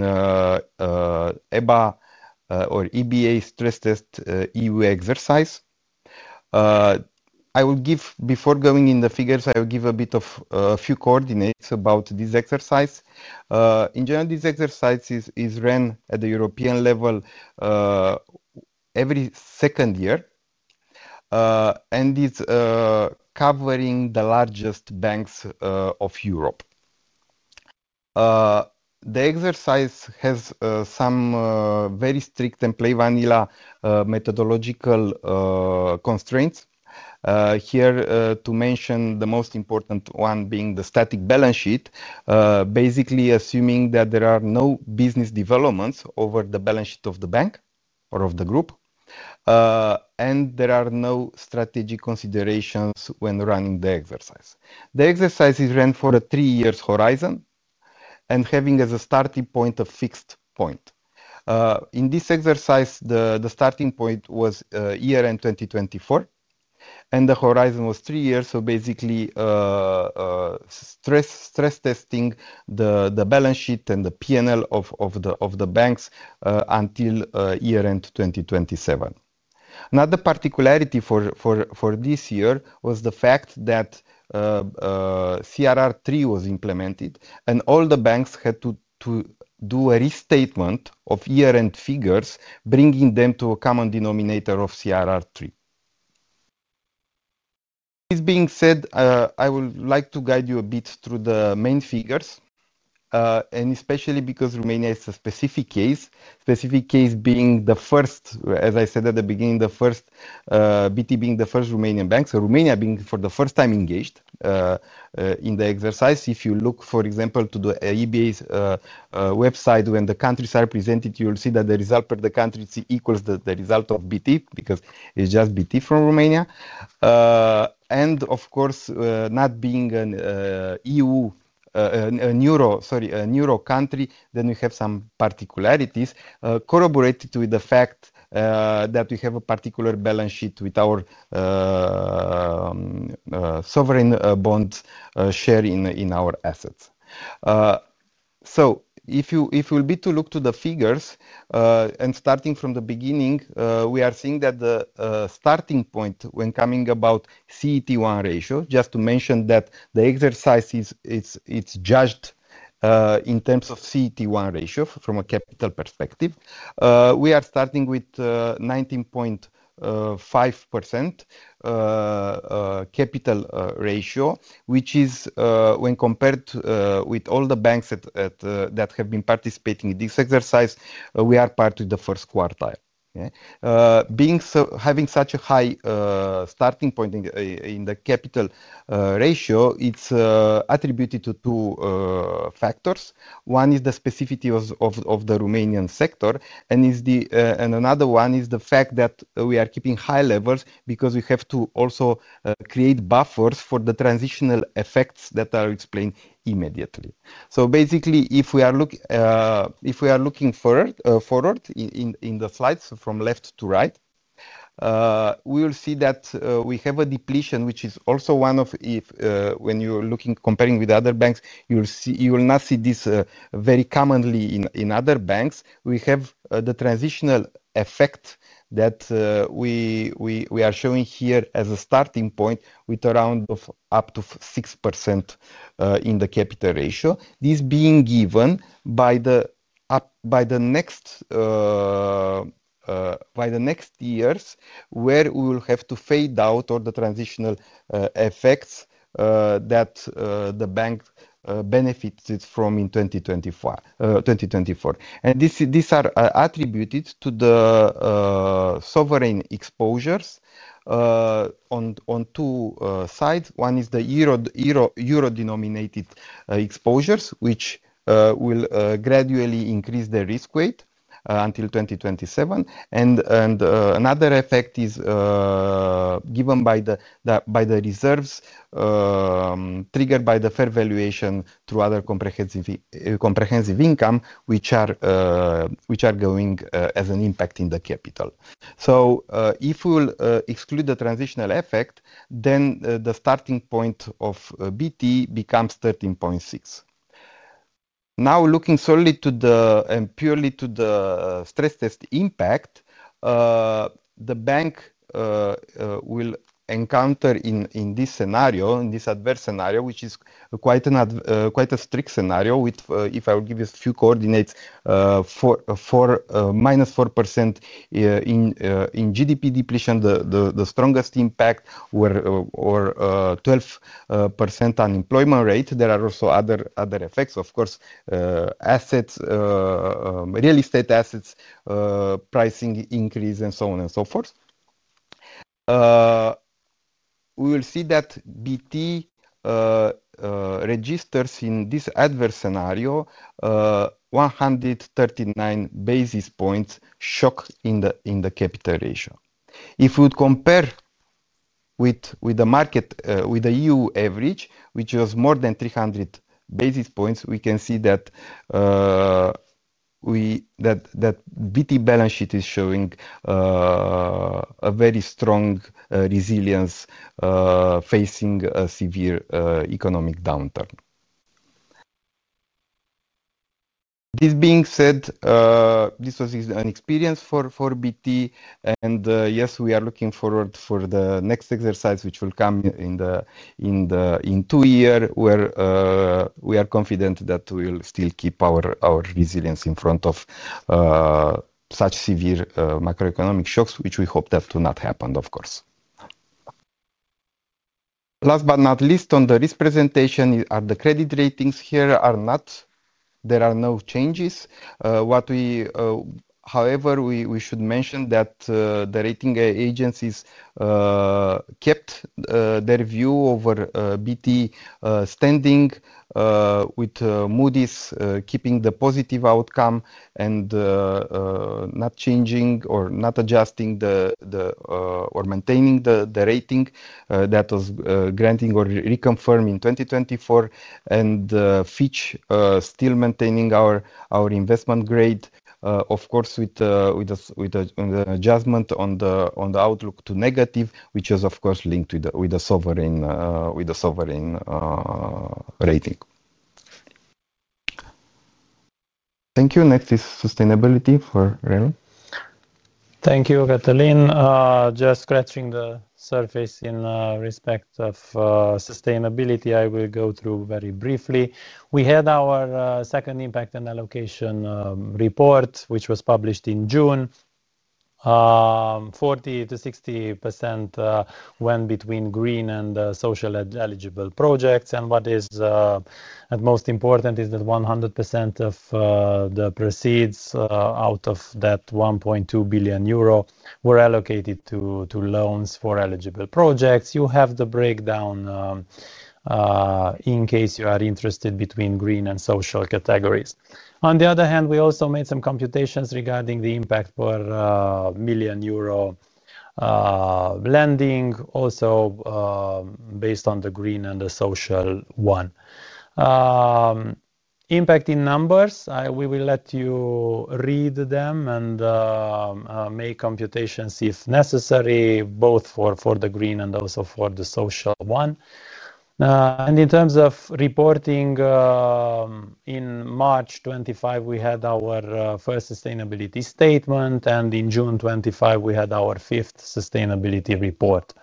EBA stress tested EU exercise. Before going in the figures, I will give a bit of a few coordinates about this exercise. In general, this exercise is run at the European level every second year and it's covering the largest banks of Europe. The exercise has some very strict and plain vanilla methodological constraints, here to mention the most important one being the static balance sheet, basically assuming that there are no business developments over the balance sheet of the bank or of the group and there are no strategy considerations when running the exercise. The exercise is run for a three-year horizon and having as a starting point a fixed point. In this exercise, the starting point was year end 2024 and the horizon was three years, basically stress testing the balance sheet and the P&L of the banks until year end 2027. Another particularity for this year was the fact that CRR3 was implemented and all the banks had to do a restatement of year-end figures, bringing them to a common denominator of CRR3. This being said, I would like to guide you a bit through the main figures, especially because Romania is a specific case. Specific case being the first, as I said at the beginning, the first BT being the first Romanian bank. Romania is for the first time engaged in the exercise. If you look, for example, to the EBA's website when the countries are presented, you'll see that the result per the country equals the result of BT because it's just BT from Romania, and of course, not being a euro, sorry, a euro country, then we have some particularities corroborated with the fact that we have a particular balance sheet with our sovereign bonds sharing in our assets. If you'll look to the figures and starting from the beginning, we are seeing that the starting point when coming about CET1 ratio. Just to mention that the exercise is judged in terms of CET1 ratio from a capital perspective. We are starting with 19.5% capital ratio, which is, when compared with all the banks that have been participating in this exercise, we are part of the first quartile. Having such a high starting point in the capital ratio is attributed to two factors. One is the specificity of the Romanian sector, and another one is the fact that we are keeping high levels because we have to also create buffers for the transitional effects that are explained immediately. Basically, if we are looking forward in the slides from left to right, we will see that we have a depletion, which is also one of, if when you're looking, comparing with other banks, you'll see you will not see this very commonly in other banks. We have the transitional effect that we are showing here as a starting point with around up to 6% in the capital ratio. This is given by the next years where we will have to fade out the transitional effects that the bank benefited from in 2024, and these are attributed to the sovereign exposures on two sides. One is the euro-denominated exposures, which will gradually increase the risk weight until 2027. Another effect is given by the reserves triggered by the fair valuation through other comprehensive income, which are going as an impact in the capital. If we'll exclude the transitional effect, then the starting point of BT becomes 13.6%. Now looking solely to the and purely to the stress test impact the bank will encounter in this scenario. In this adverse scenario, which is quite a strict scenario, if I will give you a few coordinates, minus 4% in GDP depletion, the strongest impact or 12% unemployment rate. There are also other effects, of course, assets, real estate assets, pricing increase, and so on and so forth. We will. See that BT registers in this adverse scenario 139 basis points shock in the capital ratio. If we compare with the market, with the EU average which was more than 300 basis points, we can see that BT balance sheet is showing a very strong resilience facing a severe economic downturn. This being said, this was an experience for BT. Yes, we are looking forward for the next exercise which will come in two years where we are confident that we will still keep our resilience in front of such severe macroeconomic shocks, which we hope do not happen. Of course, last but not least on the risk presentation are the credit ratings. There are no changes. However, we should mention that the rating agencies kept their view over BT standing, with Moody's keeping the positive outcome and not changing or not adjusting or maintaining the rating that was granted or reconfirmed in 2024, and Fitch still maintaining our investment grade, of course with the adjustment on the outlook to negative, which was of course linked with the sovereign. Thank you. Next is sustainability for Aurel. Thank you, Cătălin. Just scratching the surface in respect of sustainability. I will go through very briefly. We had our second impact and allocation report, which was published in June. 40%-60% went between green and social eligible projects, and what is most important is that 100% of the proceeds out of that €1.2 billion were allocated to loans for eligible projects. You have the breakdown in case you are interested between green and social categories. On the other hand, we also made some computations regarding the impact for €1 million lending, also based on the green and the social one, impact in numbers. We will let you read them and make computations if necessary, both for the green and also for the social one. In terms of reporting, on March 25th we had our first sustainability statement, and on June 25th we had our fifth sustainability report.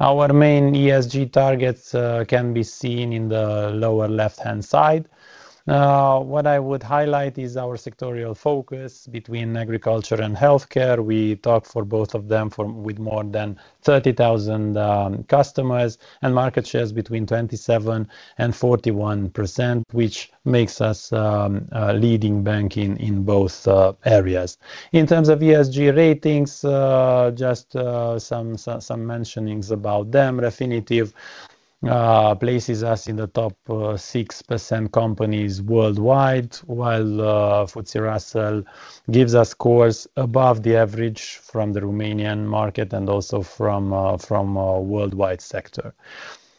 Our main ESG targets can be seen in the lower left-hand side. What I would highlight is our sectorial focus between agriculture and healthcare. We talk for both of them, with more than 30,000 customers and market shares between 27% and 41%, which makes us leading banking in both areas. In terms of ESG ratings, just some mentionings about them. Refinitiv places us in the top 6% companies worldwide, while FTSE Russell gives us scores above the average from the Romanian market and also from worldwide sector.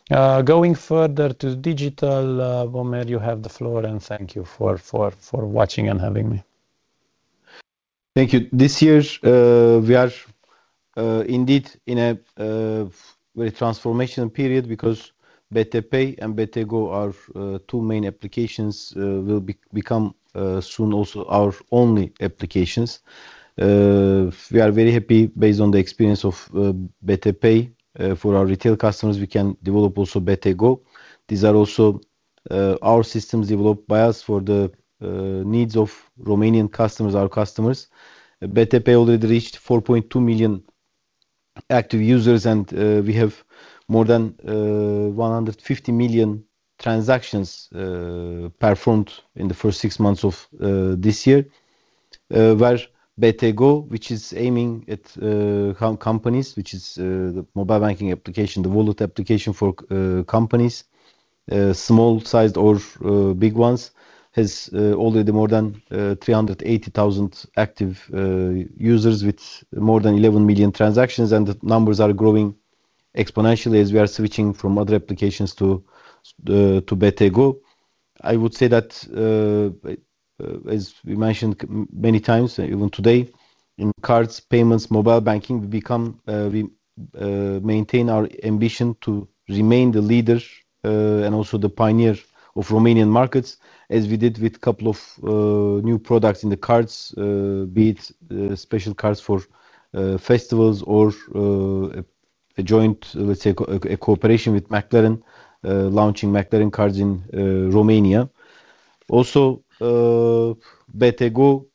Going further to digital, Ömer, you have the floor and thank you for watching and having me. Thank you. This year we are indeed in a very transformational period because BT Pay and BT Go are two main applications that will become soon also our only applications. We are very happy. Based on the experience of BT Pay for our retail customers, we can develop also BT Go. These are also our systems developed by us for the needs of Romanian customers. Our customers, BT Pay already reached 4.2 million active users and we have more than 150 million transactions performed in the first six months of this year. BT Go, which is aiming at companies, which is the mobile banking application, the wallet application for companies, small sized or big ones, has already more than 380,000 active users with more than 11 million transactions. The numbers are growing exponentially as we are switching from other applications to BT Go. I would say that as we mentioned many times, even today in cards payments, mobile banking, we maintain our ambition to remain the leader and also the pioneer of Romanian markets. As we did with a couple of new products in the cards, be it special cards for festivals or a joint, let's say, a cooperation with McLaren launching McLaren cards in Romania. Also, BT Go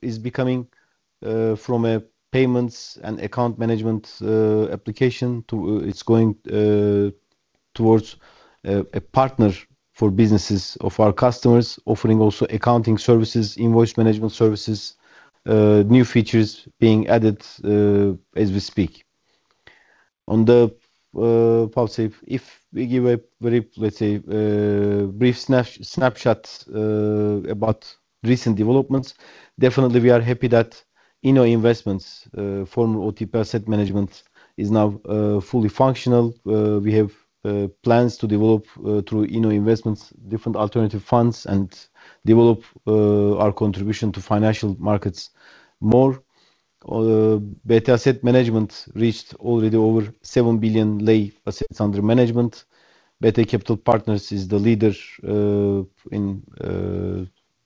is becoming from a payments and account management application, it's going towards a partner for businesses of our customers, offering also accounting services, invoice management services, new features being added as we speak on the PowerSafe. If we give a very, let's say, brief snapshot about recent developments, definitely we are happy that INNO Investments, former OTP Asset Management, is now fully functional. We have plans to develop through INNO Investments different alternative funds and develop our contribution to financial markets. More, BT Asset Management reached already over RON 7 billion assets under management. BT Capital Partners is the leader in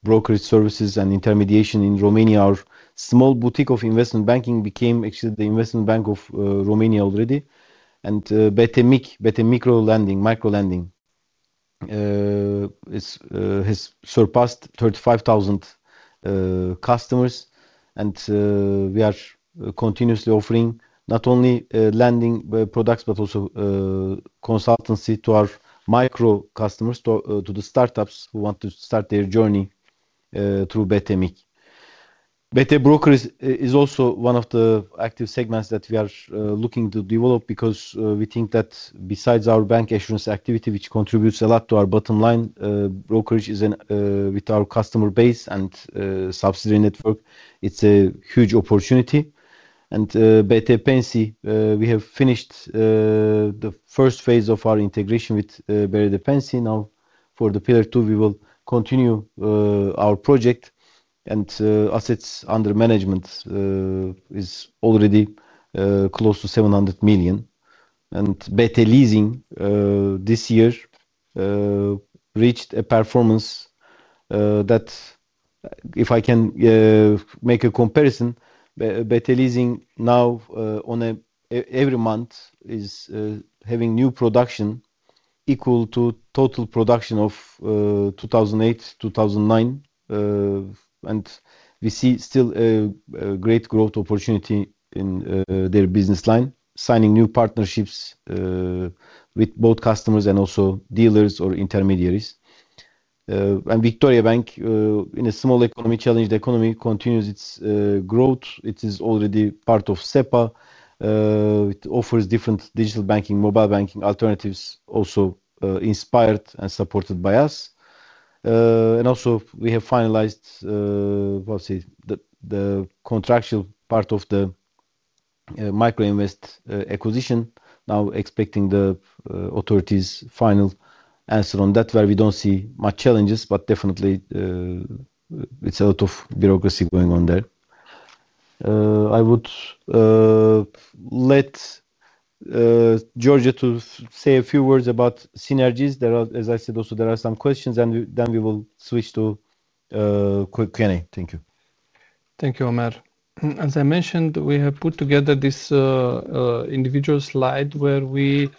brokerage services and intermediation in Romania. Our small boutique of investment banking became actually the investment bank of Romania already. BT Microlending has surpassed 35,000 customers and we are continuously offering not only lending products but also consultancy to our micro customers, to the startups who want to start their journey through BT Mic. BT Broker is also one of the active segments that we are looking to develop because we think that besides our bancassurance activity, which contributes a lot to our bottom line, brokerage is with our customer base and subsidiary network. It's a huge opportunity, and BT Pensii, we have finished the first phase of our integration with BT Pensii. Now for the pillar two, we will continue our project, and assets under management is already close to RON 700 million. Betalium Leasing this year reached a performance that, if I can make a comparison, BT Leasing now every month is having new production equal to total production of 2008, 2009, and we see still a great growth opportunity in their business line, signing new partnerships with both customers and also dealers or intermediaries. Victoria Bank, in a small, challenged economy, continues its growth. It is already part of SEPA. It offers different digital banking, mobile banking alternatives, also inspired and supported by us. We have finalized the contractual part of the Micro Invest acquisition, now expecting the authorities' final answer on that. We don't see much challenges, but definitely it's a lot of bureaucracy going on there. I would let George say a few words about synergies. As I said, also there are some questions, and we will switch to quick Q&A. Thank you. Thank you, Ömer. As I mentioned, we have put together this individual slide where we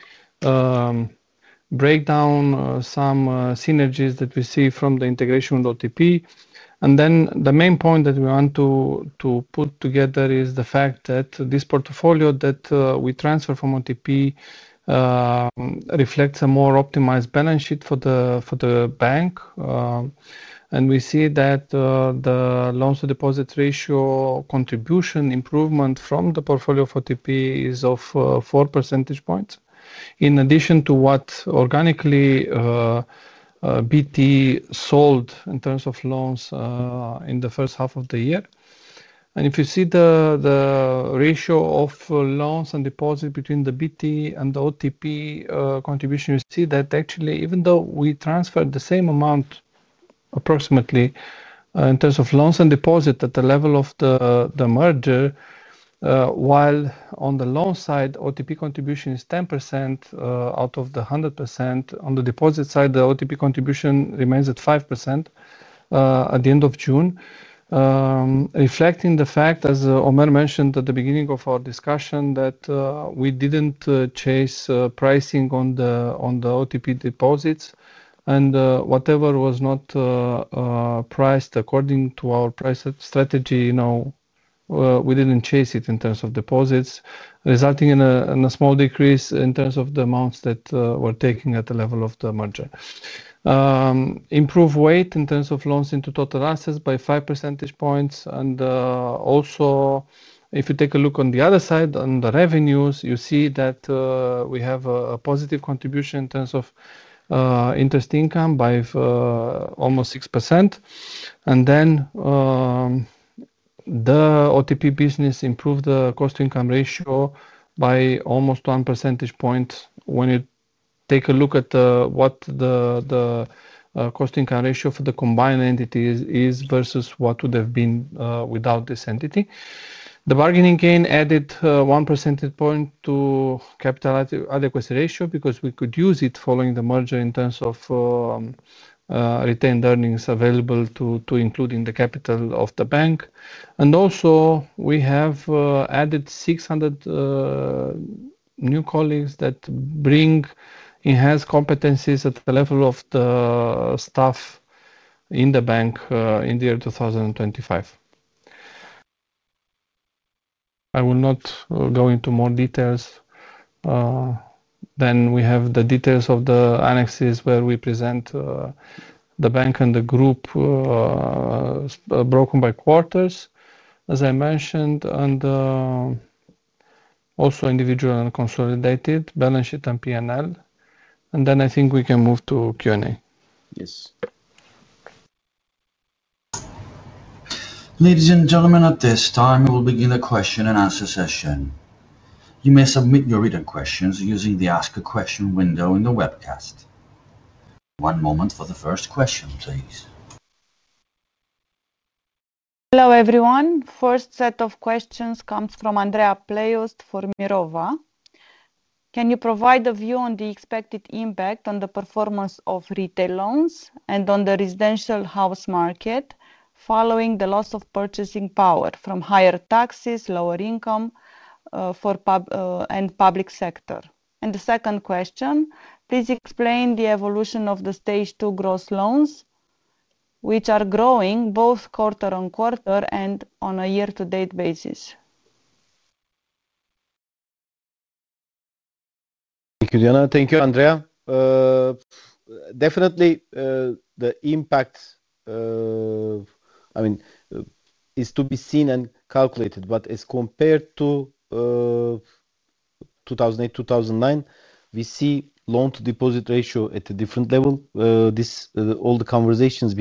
break down some synergies that we see from the integration with OTP. The main point that we want to put together is the fact that this portfolio that we transfer from OTP reflects a more optimized balance sheet for the bank. We see that the loan-to-deposit ratio contribution improvement from the portfolio for OTP is of 4% in addition to what organically BT sold in terms of loans in the first half of the year. If you see the ratio of loans and deposit between the BT and the OTP contribution, you see that actually even though we transferred the same amount, approximately, in terms of loans and deposit at the level of the merger, while on the loan side OTP contribution is 10% out of the 100%, on the deposit side the OTP contribution remains at 5% at the end of June, reflecting the fact, as Ömer mentioned at the beginning of our discussion, that we didn't chase pricing on the OTP deposits and whatever was not priced according to our price strategy, we didn't chase it in terms of deposits, resulting in a small decrease in terms of the amounts that were taken at the level of the merger, improve weight in terms of loans into total assets by 5%. Also, if you take a look on the other side on the revenues, you see that we have a positive contribution in terms of interest income by almost 6%. The OTP business improved the cost income ratio by almost 1% when you take a look at what the cost income ratio for the combined entities is versus what would have been without this entity. The bargaining gain added 1% to capital adequacy ratio because we could use it following the merger in terms of retained earnings available to include in the capital of the bank. Also, we have added 600 new colleagues that bring enhanced competencies at the level of the staff in the bank in the year 2025. I will not go into more details. We have the details of the annexes where we present the bank and the group broken by quarters as I mentioned and also individual and consolidated balance sheet and P&L. I think we can move to Q&A. Yes. Ladies and gentlemen, at this time we'll begin the question-and-answer session. You may submit your written questions using the Ask a Question window in the webcast. One moment for the first question please. Hello everyone. First set of questions comes from Andreea Playoust for Mirova. Can you provide a view on the expected impact on the performance of retail loans and on the residential house market following the loss of purchasing power from higher taxes, lower income and public sector? The second question, please explain the evolution of the stage 2 gross loans which are growing both quarter on quarter and on a year to date basis. Thank you, Diana. Thank you, Andrea. Definitely the impact, I mean, is to be seen and calculated, but as compared to 2008, 2009, we see loan-to-deposit ratio at a different level. All the conversations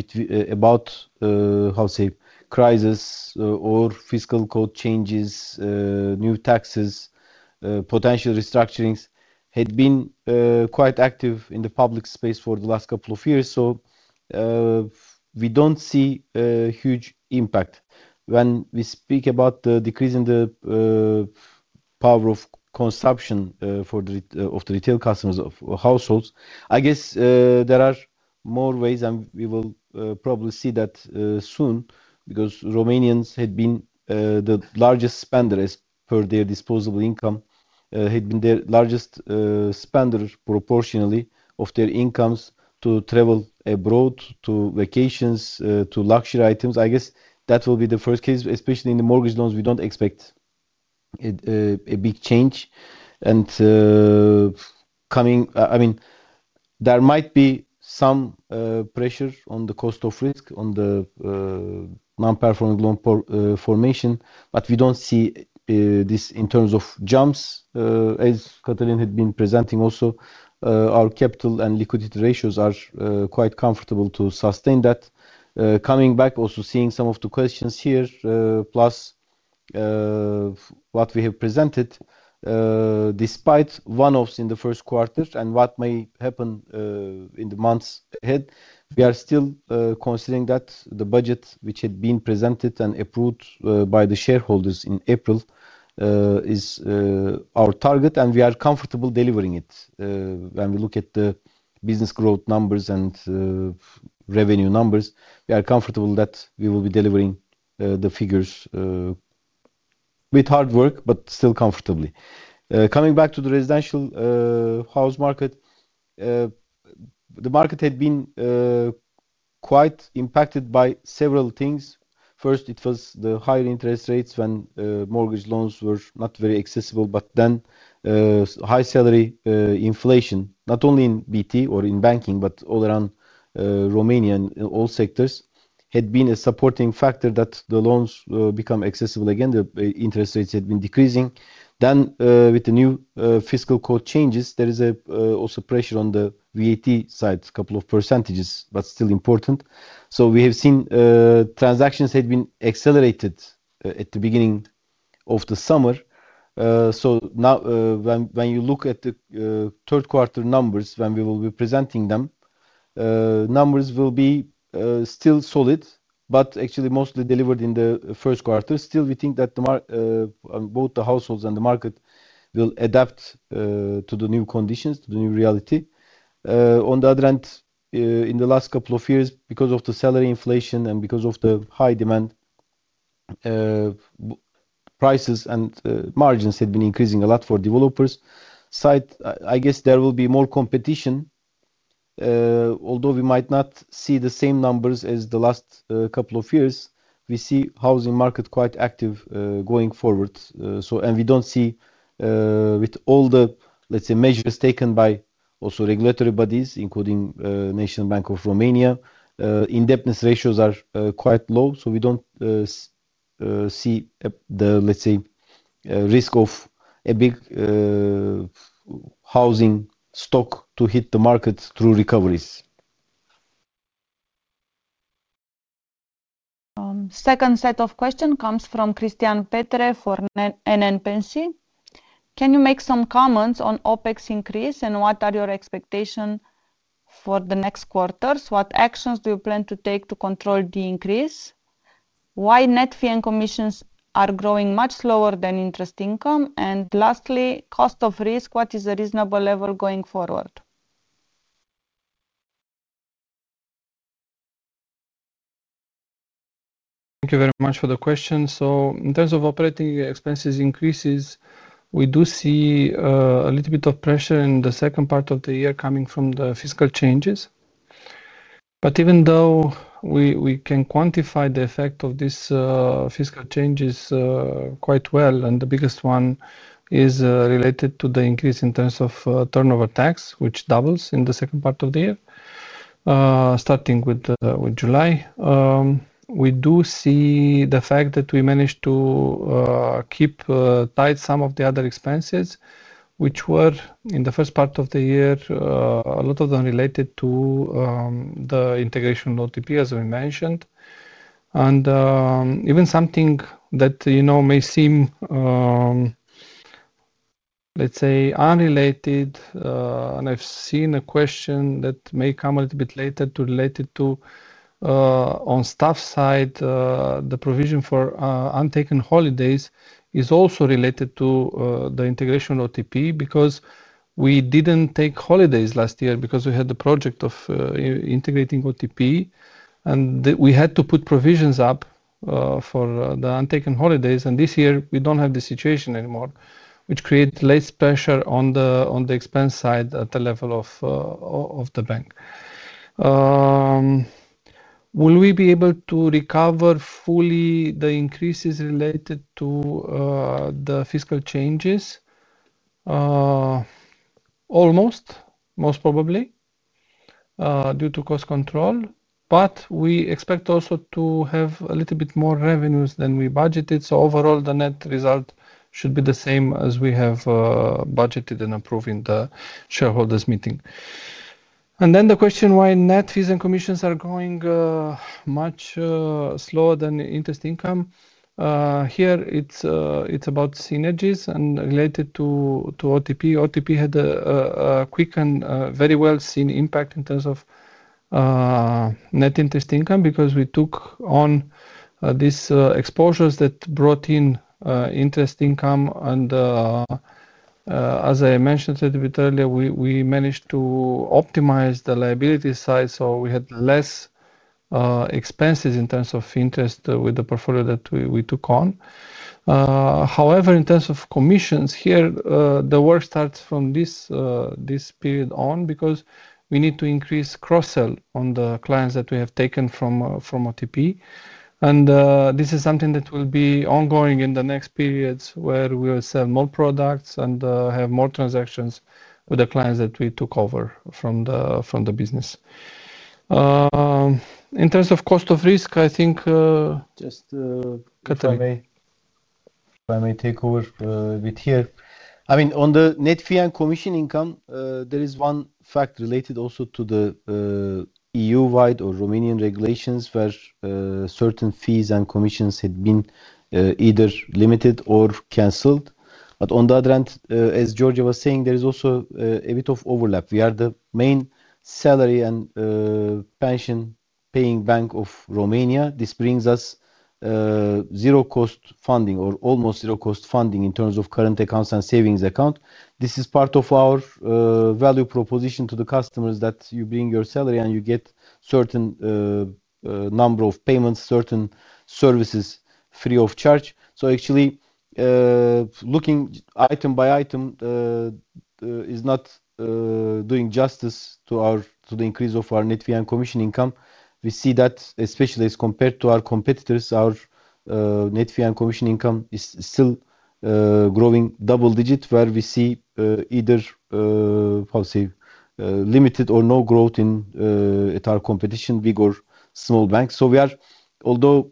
about how, say, crisis or fiscal code changes, new taxes, potential restructurings had been quite active in the public space for the last couple of years. We don't see a huge impact when we speak about decreasing the power of consumption of the retail customers or households. I guess there are more ways and we will probably see that soon. Romanians had been the largest spender as per their disposable income, had been the largest spender proportionally of their incomes to travel abroad, to vacations, to luxury items. I guess that will be the first case, especially in the mortgage loans. We don't expect a big change coming. There might be some pressure on the cost of risk, on the non-performing loan formation, but we don't see this in terms of jumps as Cătălin had been presenting. Also, our capital and liquidity ratios are quite comfortable to sustain that coming back. Also, seeing some of the questions here, plus what we have presented despite one-offs in the first quarter and what may happen in the months ahead, we are still considering that the budget which had been presented and approved by the shareholders in April is our target and we are comfortable delivering it. When we look at the business growth numbers and revenue numbers, we are comfortable that we will be delivering the figures with hard work but still comfortably. Coming back to the residential house market, the market had been quite impacted by several things. First, it was the higher interest rates when mortgage loans were not very accessible. High salary inflation, inflation not only in Banca Transilvania or in banking, but all around Romania and all sectors, had been a supporting factor that the loans become accessible again. The interest rates had been decreasing. With the new fiscal code changes, there is also pressure on the VAT side, a couple of percentages, but still important. We have seen transactions had been accelerated at the beginning of the summer. Now, when you look at the third quarter numbers, when we will be presenting them, numbers will be still solid but actually mostly delivered in the first quarter. We think that both the households and the market will adapt to the new conditions, to the new reality. On the other hand, in the last couple of years, because of the salary inflation and because of the higher demand, prices and margins have been increasing a lot for developers' side. I guess there will be more competition, although we might not see the same numbers as the last couple of years. We see the housing market quite active going forward, and we don't see, with all the measures taken by also regulatory bodies including the National Bank of Romania, indebtedness ratios are quite low. We don't see the risk of a big housing stock to hit the markets through recoveries. Second set of questions comes from Christian Petre for NN Pensii. Can you make some comments on OPEX increase and what are your expectations for the next quarters? What actions do you plan to take to control the increase? Why net fee and commission income are growing much slower than interest income, and lastly, cost of risk, what is the reasonable level going forward? Thank you very much for the question. In terms of operating expenses increases, we do see a little bit of pressure in the second part of the year coming from the fiscal changes. Even though we can quantify the effect of these fiscal changes quite well and the biggest one is related to the increase in terms of turnover tax, which doubles in the second part of the year starting with July, we do see the fact that we managed to keep tight some of the other expenses which were in the first part of the year. A lot of them related to the integration OTP, as we mentioned, and even something that may seem, let's say, unrelated, and I've seen a question that may come a little bit later related to on staff side, the provision for untaken holiday is also related to the integration OTP because we didn't take holidays last year because we had the project of integrating OTP and we had to put provisions up for the untaken holidays. This year we don't have the situation anymore, which creates less pressure on the expense side at the level of the bank. Will we be able to recover fully the increases related to the fiscal changes? Almost most probably due to cost control, but we expect also to have a little bit more revenues than we budgeted. Overall, the net result should be the same as we have budgeted and approved in the shareholders meeting. The question why net fees and commissions are going much slower than interest income. Here it's about synergies and related to OTP. OTP had a quick and very well seen impact in terms of net interest income because we took on these exposures that brought in interest income. As I mentioned a little bit earlier, we managed to optimize the liability side so we had less expenses in terms of interest with the portfolio that we took on. However, in terms of commissions, here the work starts from this period on because we need to increase cross sell on the clients that we have taken from OTP. This is something that will be ongoing in the next periods where we will sell more products and have more transactions with the clients that we took over from the business. In terms of cost of risk, I think just. I may take over here. I mean on the net fee and commission income there is one fact related also to the EU-wide or Romanian regulations where certain fees and commissions had been either limited or canceled. On the other hand, as George was saying, there is also a bit of overlap. We are the main salary and pension paying bank of Romania. This brings us zero cost funding or almost zero cost funding in terms of current accounts and savings accounts. This is part of our value proposition to the customers that you bring your salary and you get certain number of payments, certain services free of charge. Actually, looking item by item is not doing justice to the increase of our net fee and commission income. We see that especially as compared to our competitors, our net fee and commission income is still growing double-digit where we see either policy-limited or no growth in our competition, big or small banks. Although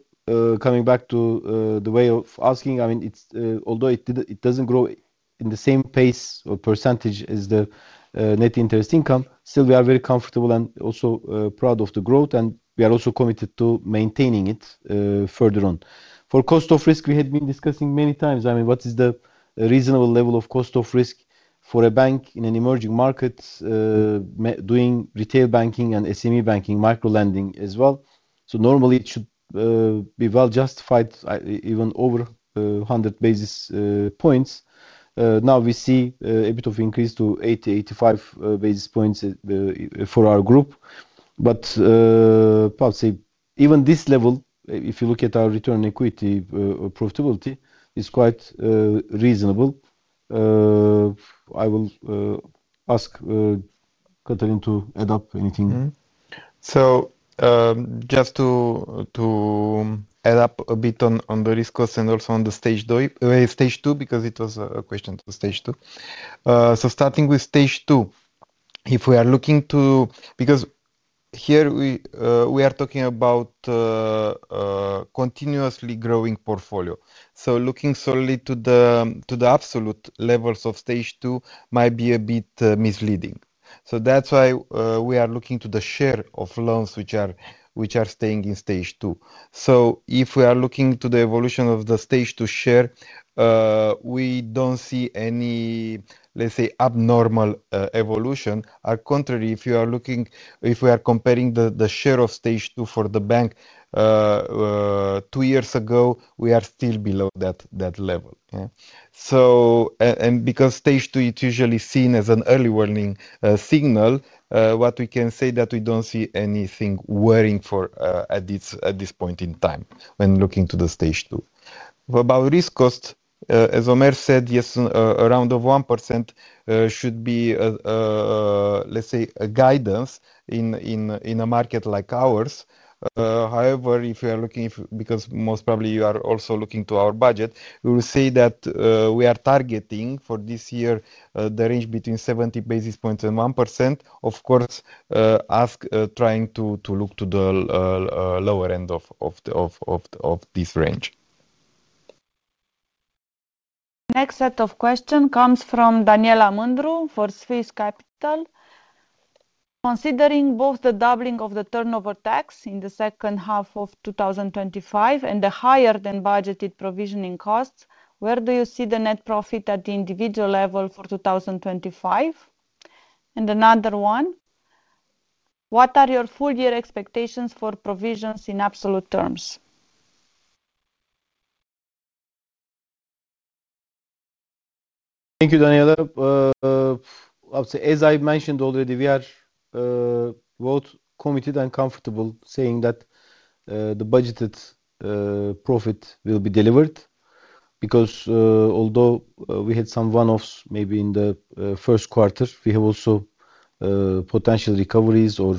coming back to the way of us, I mean, although it doesn't grow at the same pace or percentage as the net interest income, still we are very comfortable and also proud of the growth and we are also committed to maintaining it further on. For cost of risk, we had been discussing many times, I mean what is the reasonable level of cost of risk for a bank in an emerging market doing retail banking and SME banking, micro lending as well. Normally it should be well justified even over 100 basis points. Now we see a bit of increase to 80, 85 basis points for our group. Per se, even this level, if you look at our return on equity profitability, is quite reasonable. I will ask Cătălin to add up. Just to add up a bit on the risk cost and also on the stage two, because it was a question for stage two. Starting with stage two, if we are looking to, because here we are talking about continuously growing portfolio, looking solely to the absolute levels of stage two might be a bit misleading. That's why we are looking to the share of loans which are staying in stage two. If we are looking to the evolution of the stage two share, we don't see any, let's say, abnormal evolution. On the contrary, if we are comparing the share of stage two for the bank two years ago, we are still below that level because stage two is usually seen as an early warning signal. What we can say is that we don't see anything worrying at this point in time when looking to the stage two. About risk cost, as Ömer Tetik said, yes, around 1% should be, let's say, a guidance in a market like ours. However, if you are looking, because most probably you are also looking to our budget, we will say that we are targeting for this year the range between 70 basis points and 1%. Of course, trying to look to the lower end of this range. Next set of questions comes from Daniela Mundro for Swiss Capital. Considering both the doubling of the turnover tax in the second half of 2025 and the higher than budgeted provisioning costs, where do you see the net profit at the individual level for 2025, and another one, what are your full year expectations for provisions in absolute terms? Thank you, Daniela. As I mentioned already, we are both committed and comfortable saying that the budgeted profit will be delivered because although we had some one-offs maybe in the first quarter, we have also potential recoveries or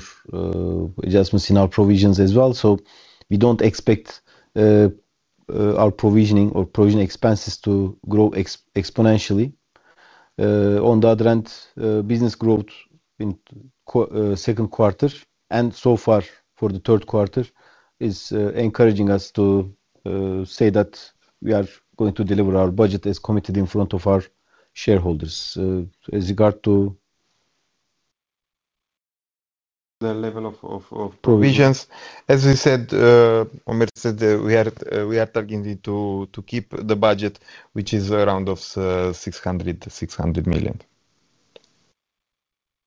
adjustments in our provisions as well. We don't expect our provisioning or provisioning expenses to grow exponentially. On the other hand, business growth in the second quarter and so far for the third quarter is encouraging us to say that we are going to deliver our budget as committed in front of our shareholders. As regard to. The level of provisions, as we said, Ömer said, we are targeting to keep the budget which is around RON 600 million.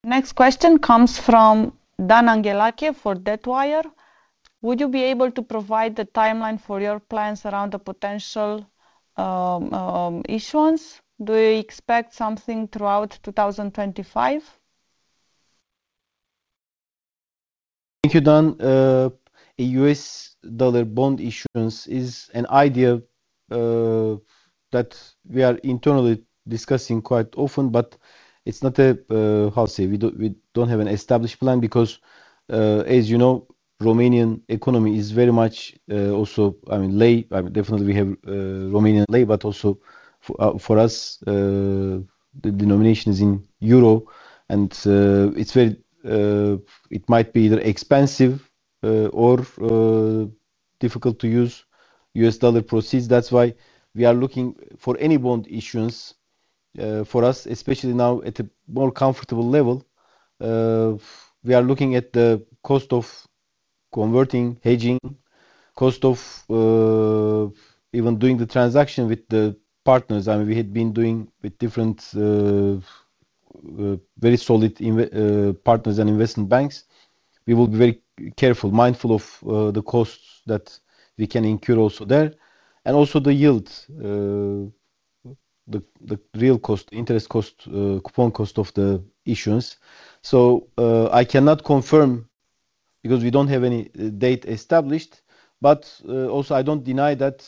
Next question comes from Dan Angelake. For that, would you be able to provide the timeline for your plans around the potential issuance? Do you expect something throughout 2025? Thank you, Dan. A U.S. dollar bond issuance is an idea that we are internally discussing quite often. It's not a, how say, we don't have an established plan because, as you know, Romanian economy is very much also, I mean, leu. I mean, definitely we have Romanian leu, but also for us the denomination is in euro, and it might be either expensive or difficult to use U.S. dollar proceeds. That's why we are looking for any bond issuance for us, especially now at a more comfortable level. We are looking at the cost of converting, hedging, cost of even doing the transaction with the partners. We had been doing with different very solid partners and investment banks. We will be very careful, mindful of the costs that we can incur, also there, and also the yield, the real cost, interest cost, coupon cost of the issuance. I cannot confirm because we don't have any date established. I don't deny that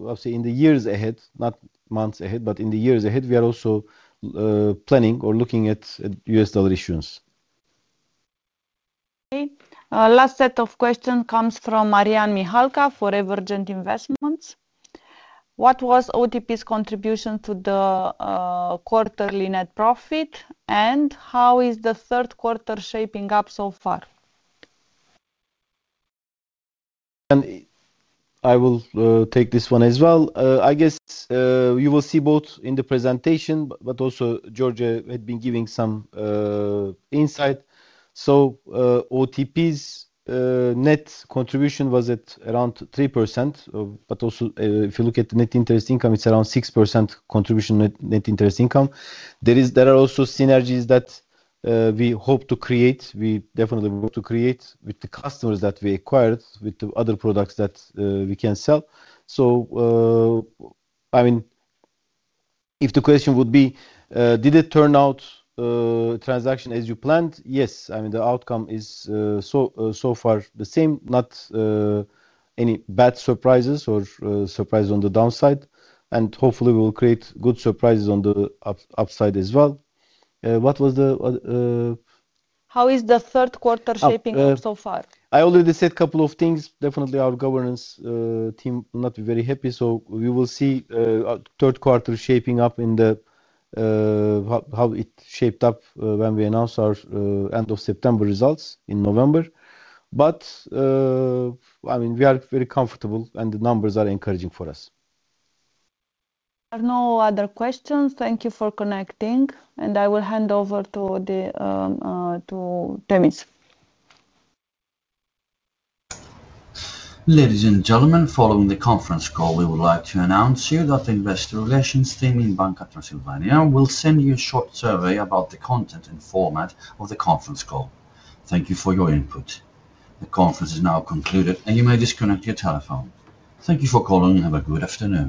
obviously in the years ahead, not months ahead, but in the years ahead, we are also planning or looking at U.S. dollar issuance. Okay, last set of questions comes from Marianne Michalka for Emergent Investments. What was OTP's contribution to the quarterly net profit, and how is the third quarter shaping up so far? I will take this one as well. I guess you will see both in the presentation, but also George had been giving some insight, so OTP's net contribution was at around 3%, but also if you look at net interest income, it's around 6% contribution net interest income. There are also synergies that we hope to create. We definitely want to create with the customers that we acquired with the other products that we can sell. I mean if the question would be did it turn out transaction as you planned? Yes. I mean the outcome is so far the same. Not any bad surprises or surprises on the downside, and hopefully we'll create good surprises on the upside as well. How is the third quarter shaping up so far? I already said a couple of things. Definitely our governance team is not very happy. We will see the third quarter shaping up in how it shaped up when we announced our end of September results in November. I mean we are very comfortable, and the numbers are encouraging for us. No other questions. Thank you for connecting and I will hand over to the team. Ladies and gentlemen, following the conference call, we would like to announce to you that the investor relations team in Banca Transilvania will send you a short survey about the content and format of the conference call. Thank you for your input. The conference is now concluded and you may disconnect your telephone. Thank you for calling and have a good afternoon.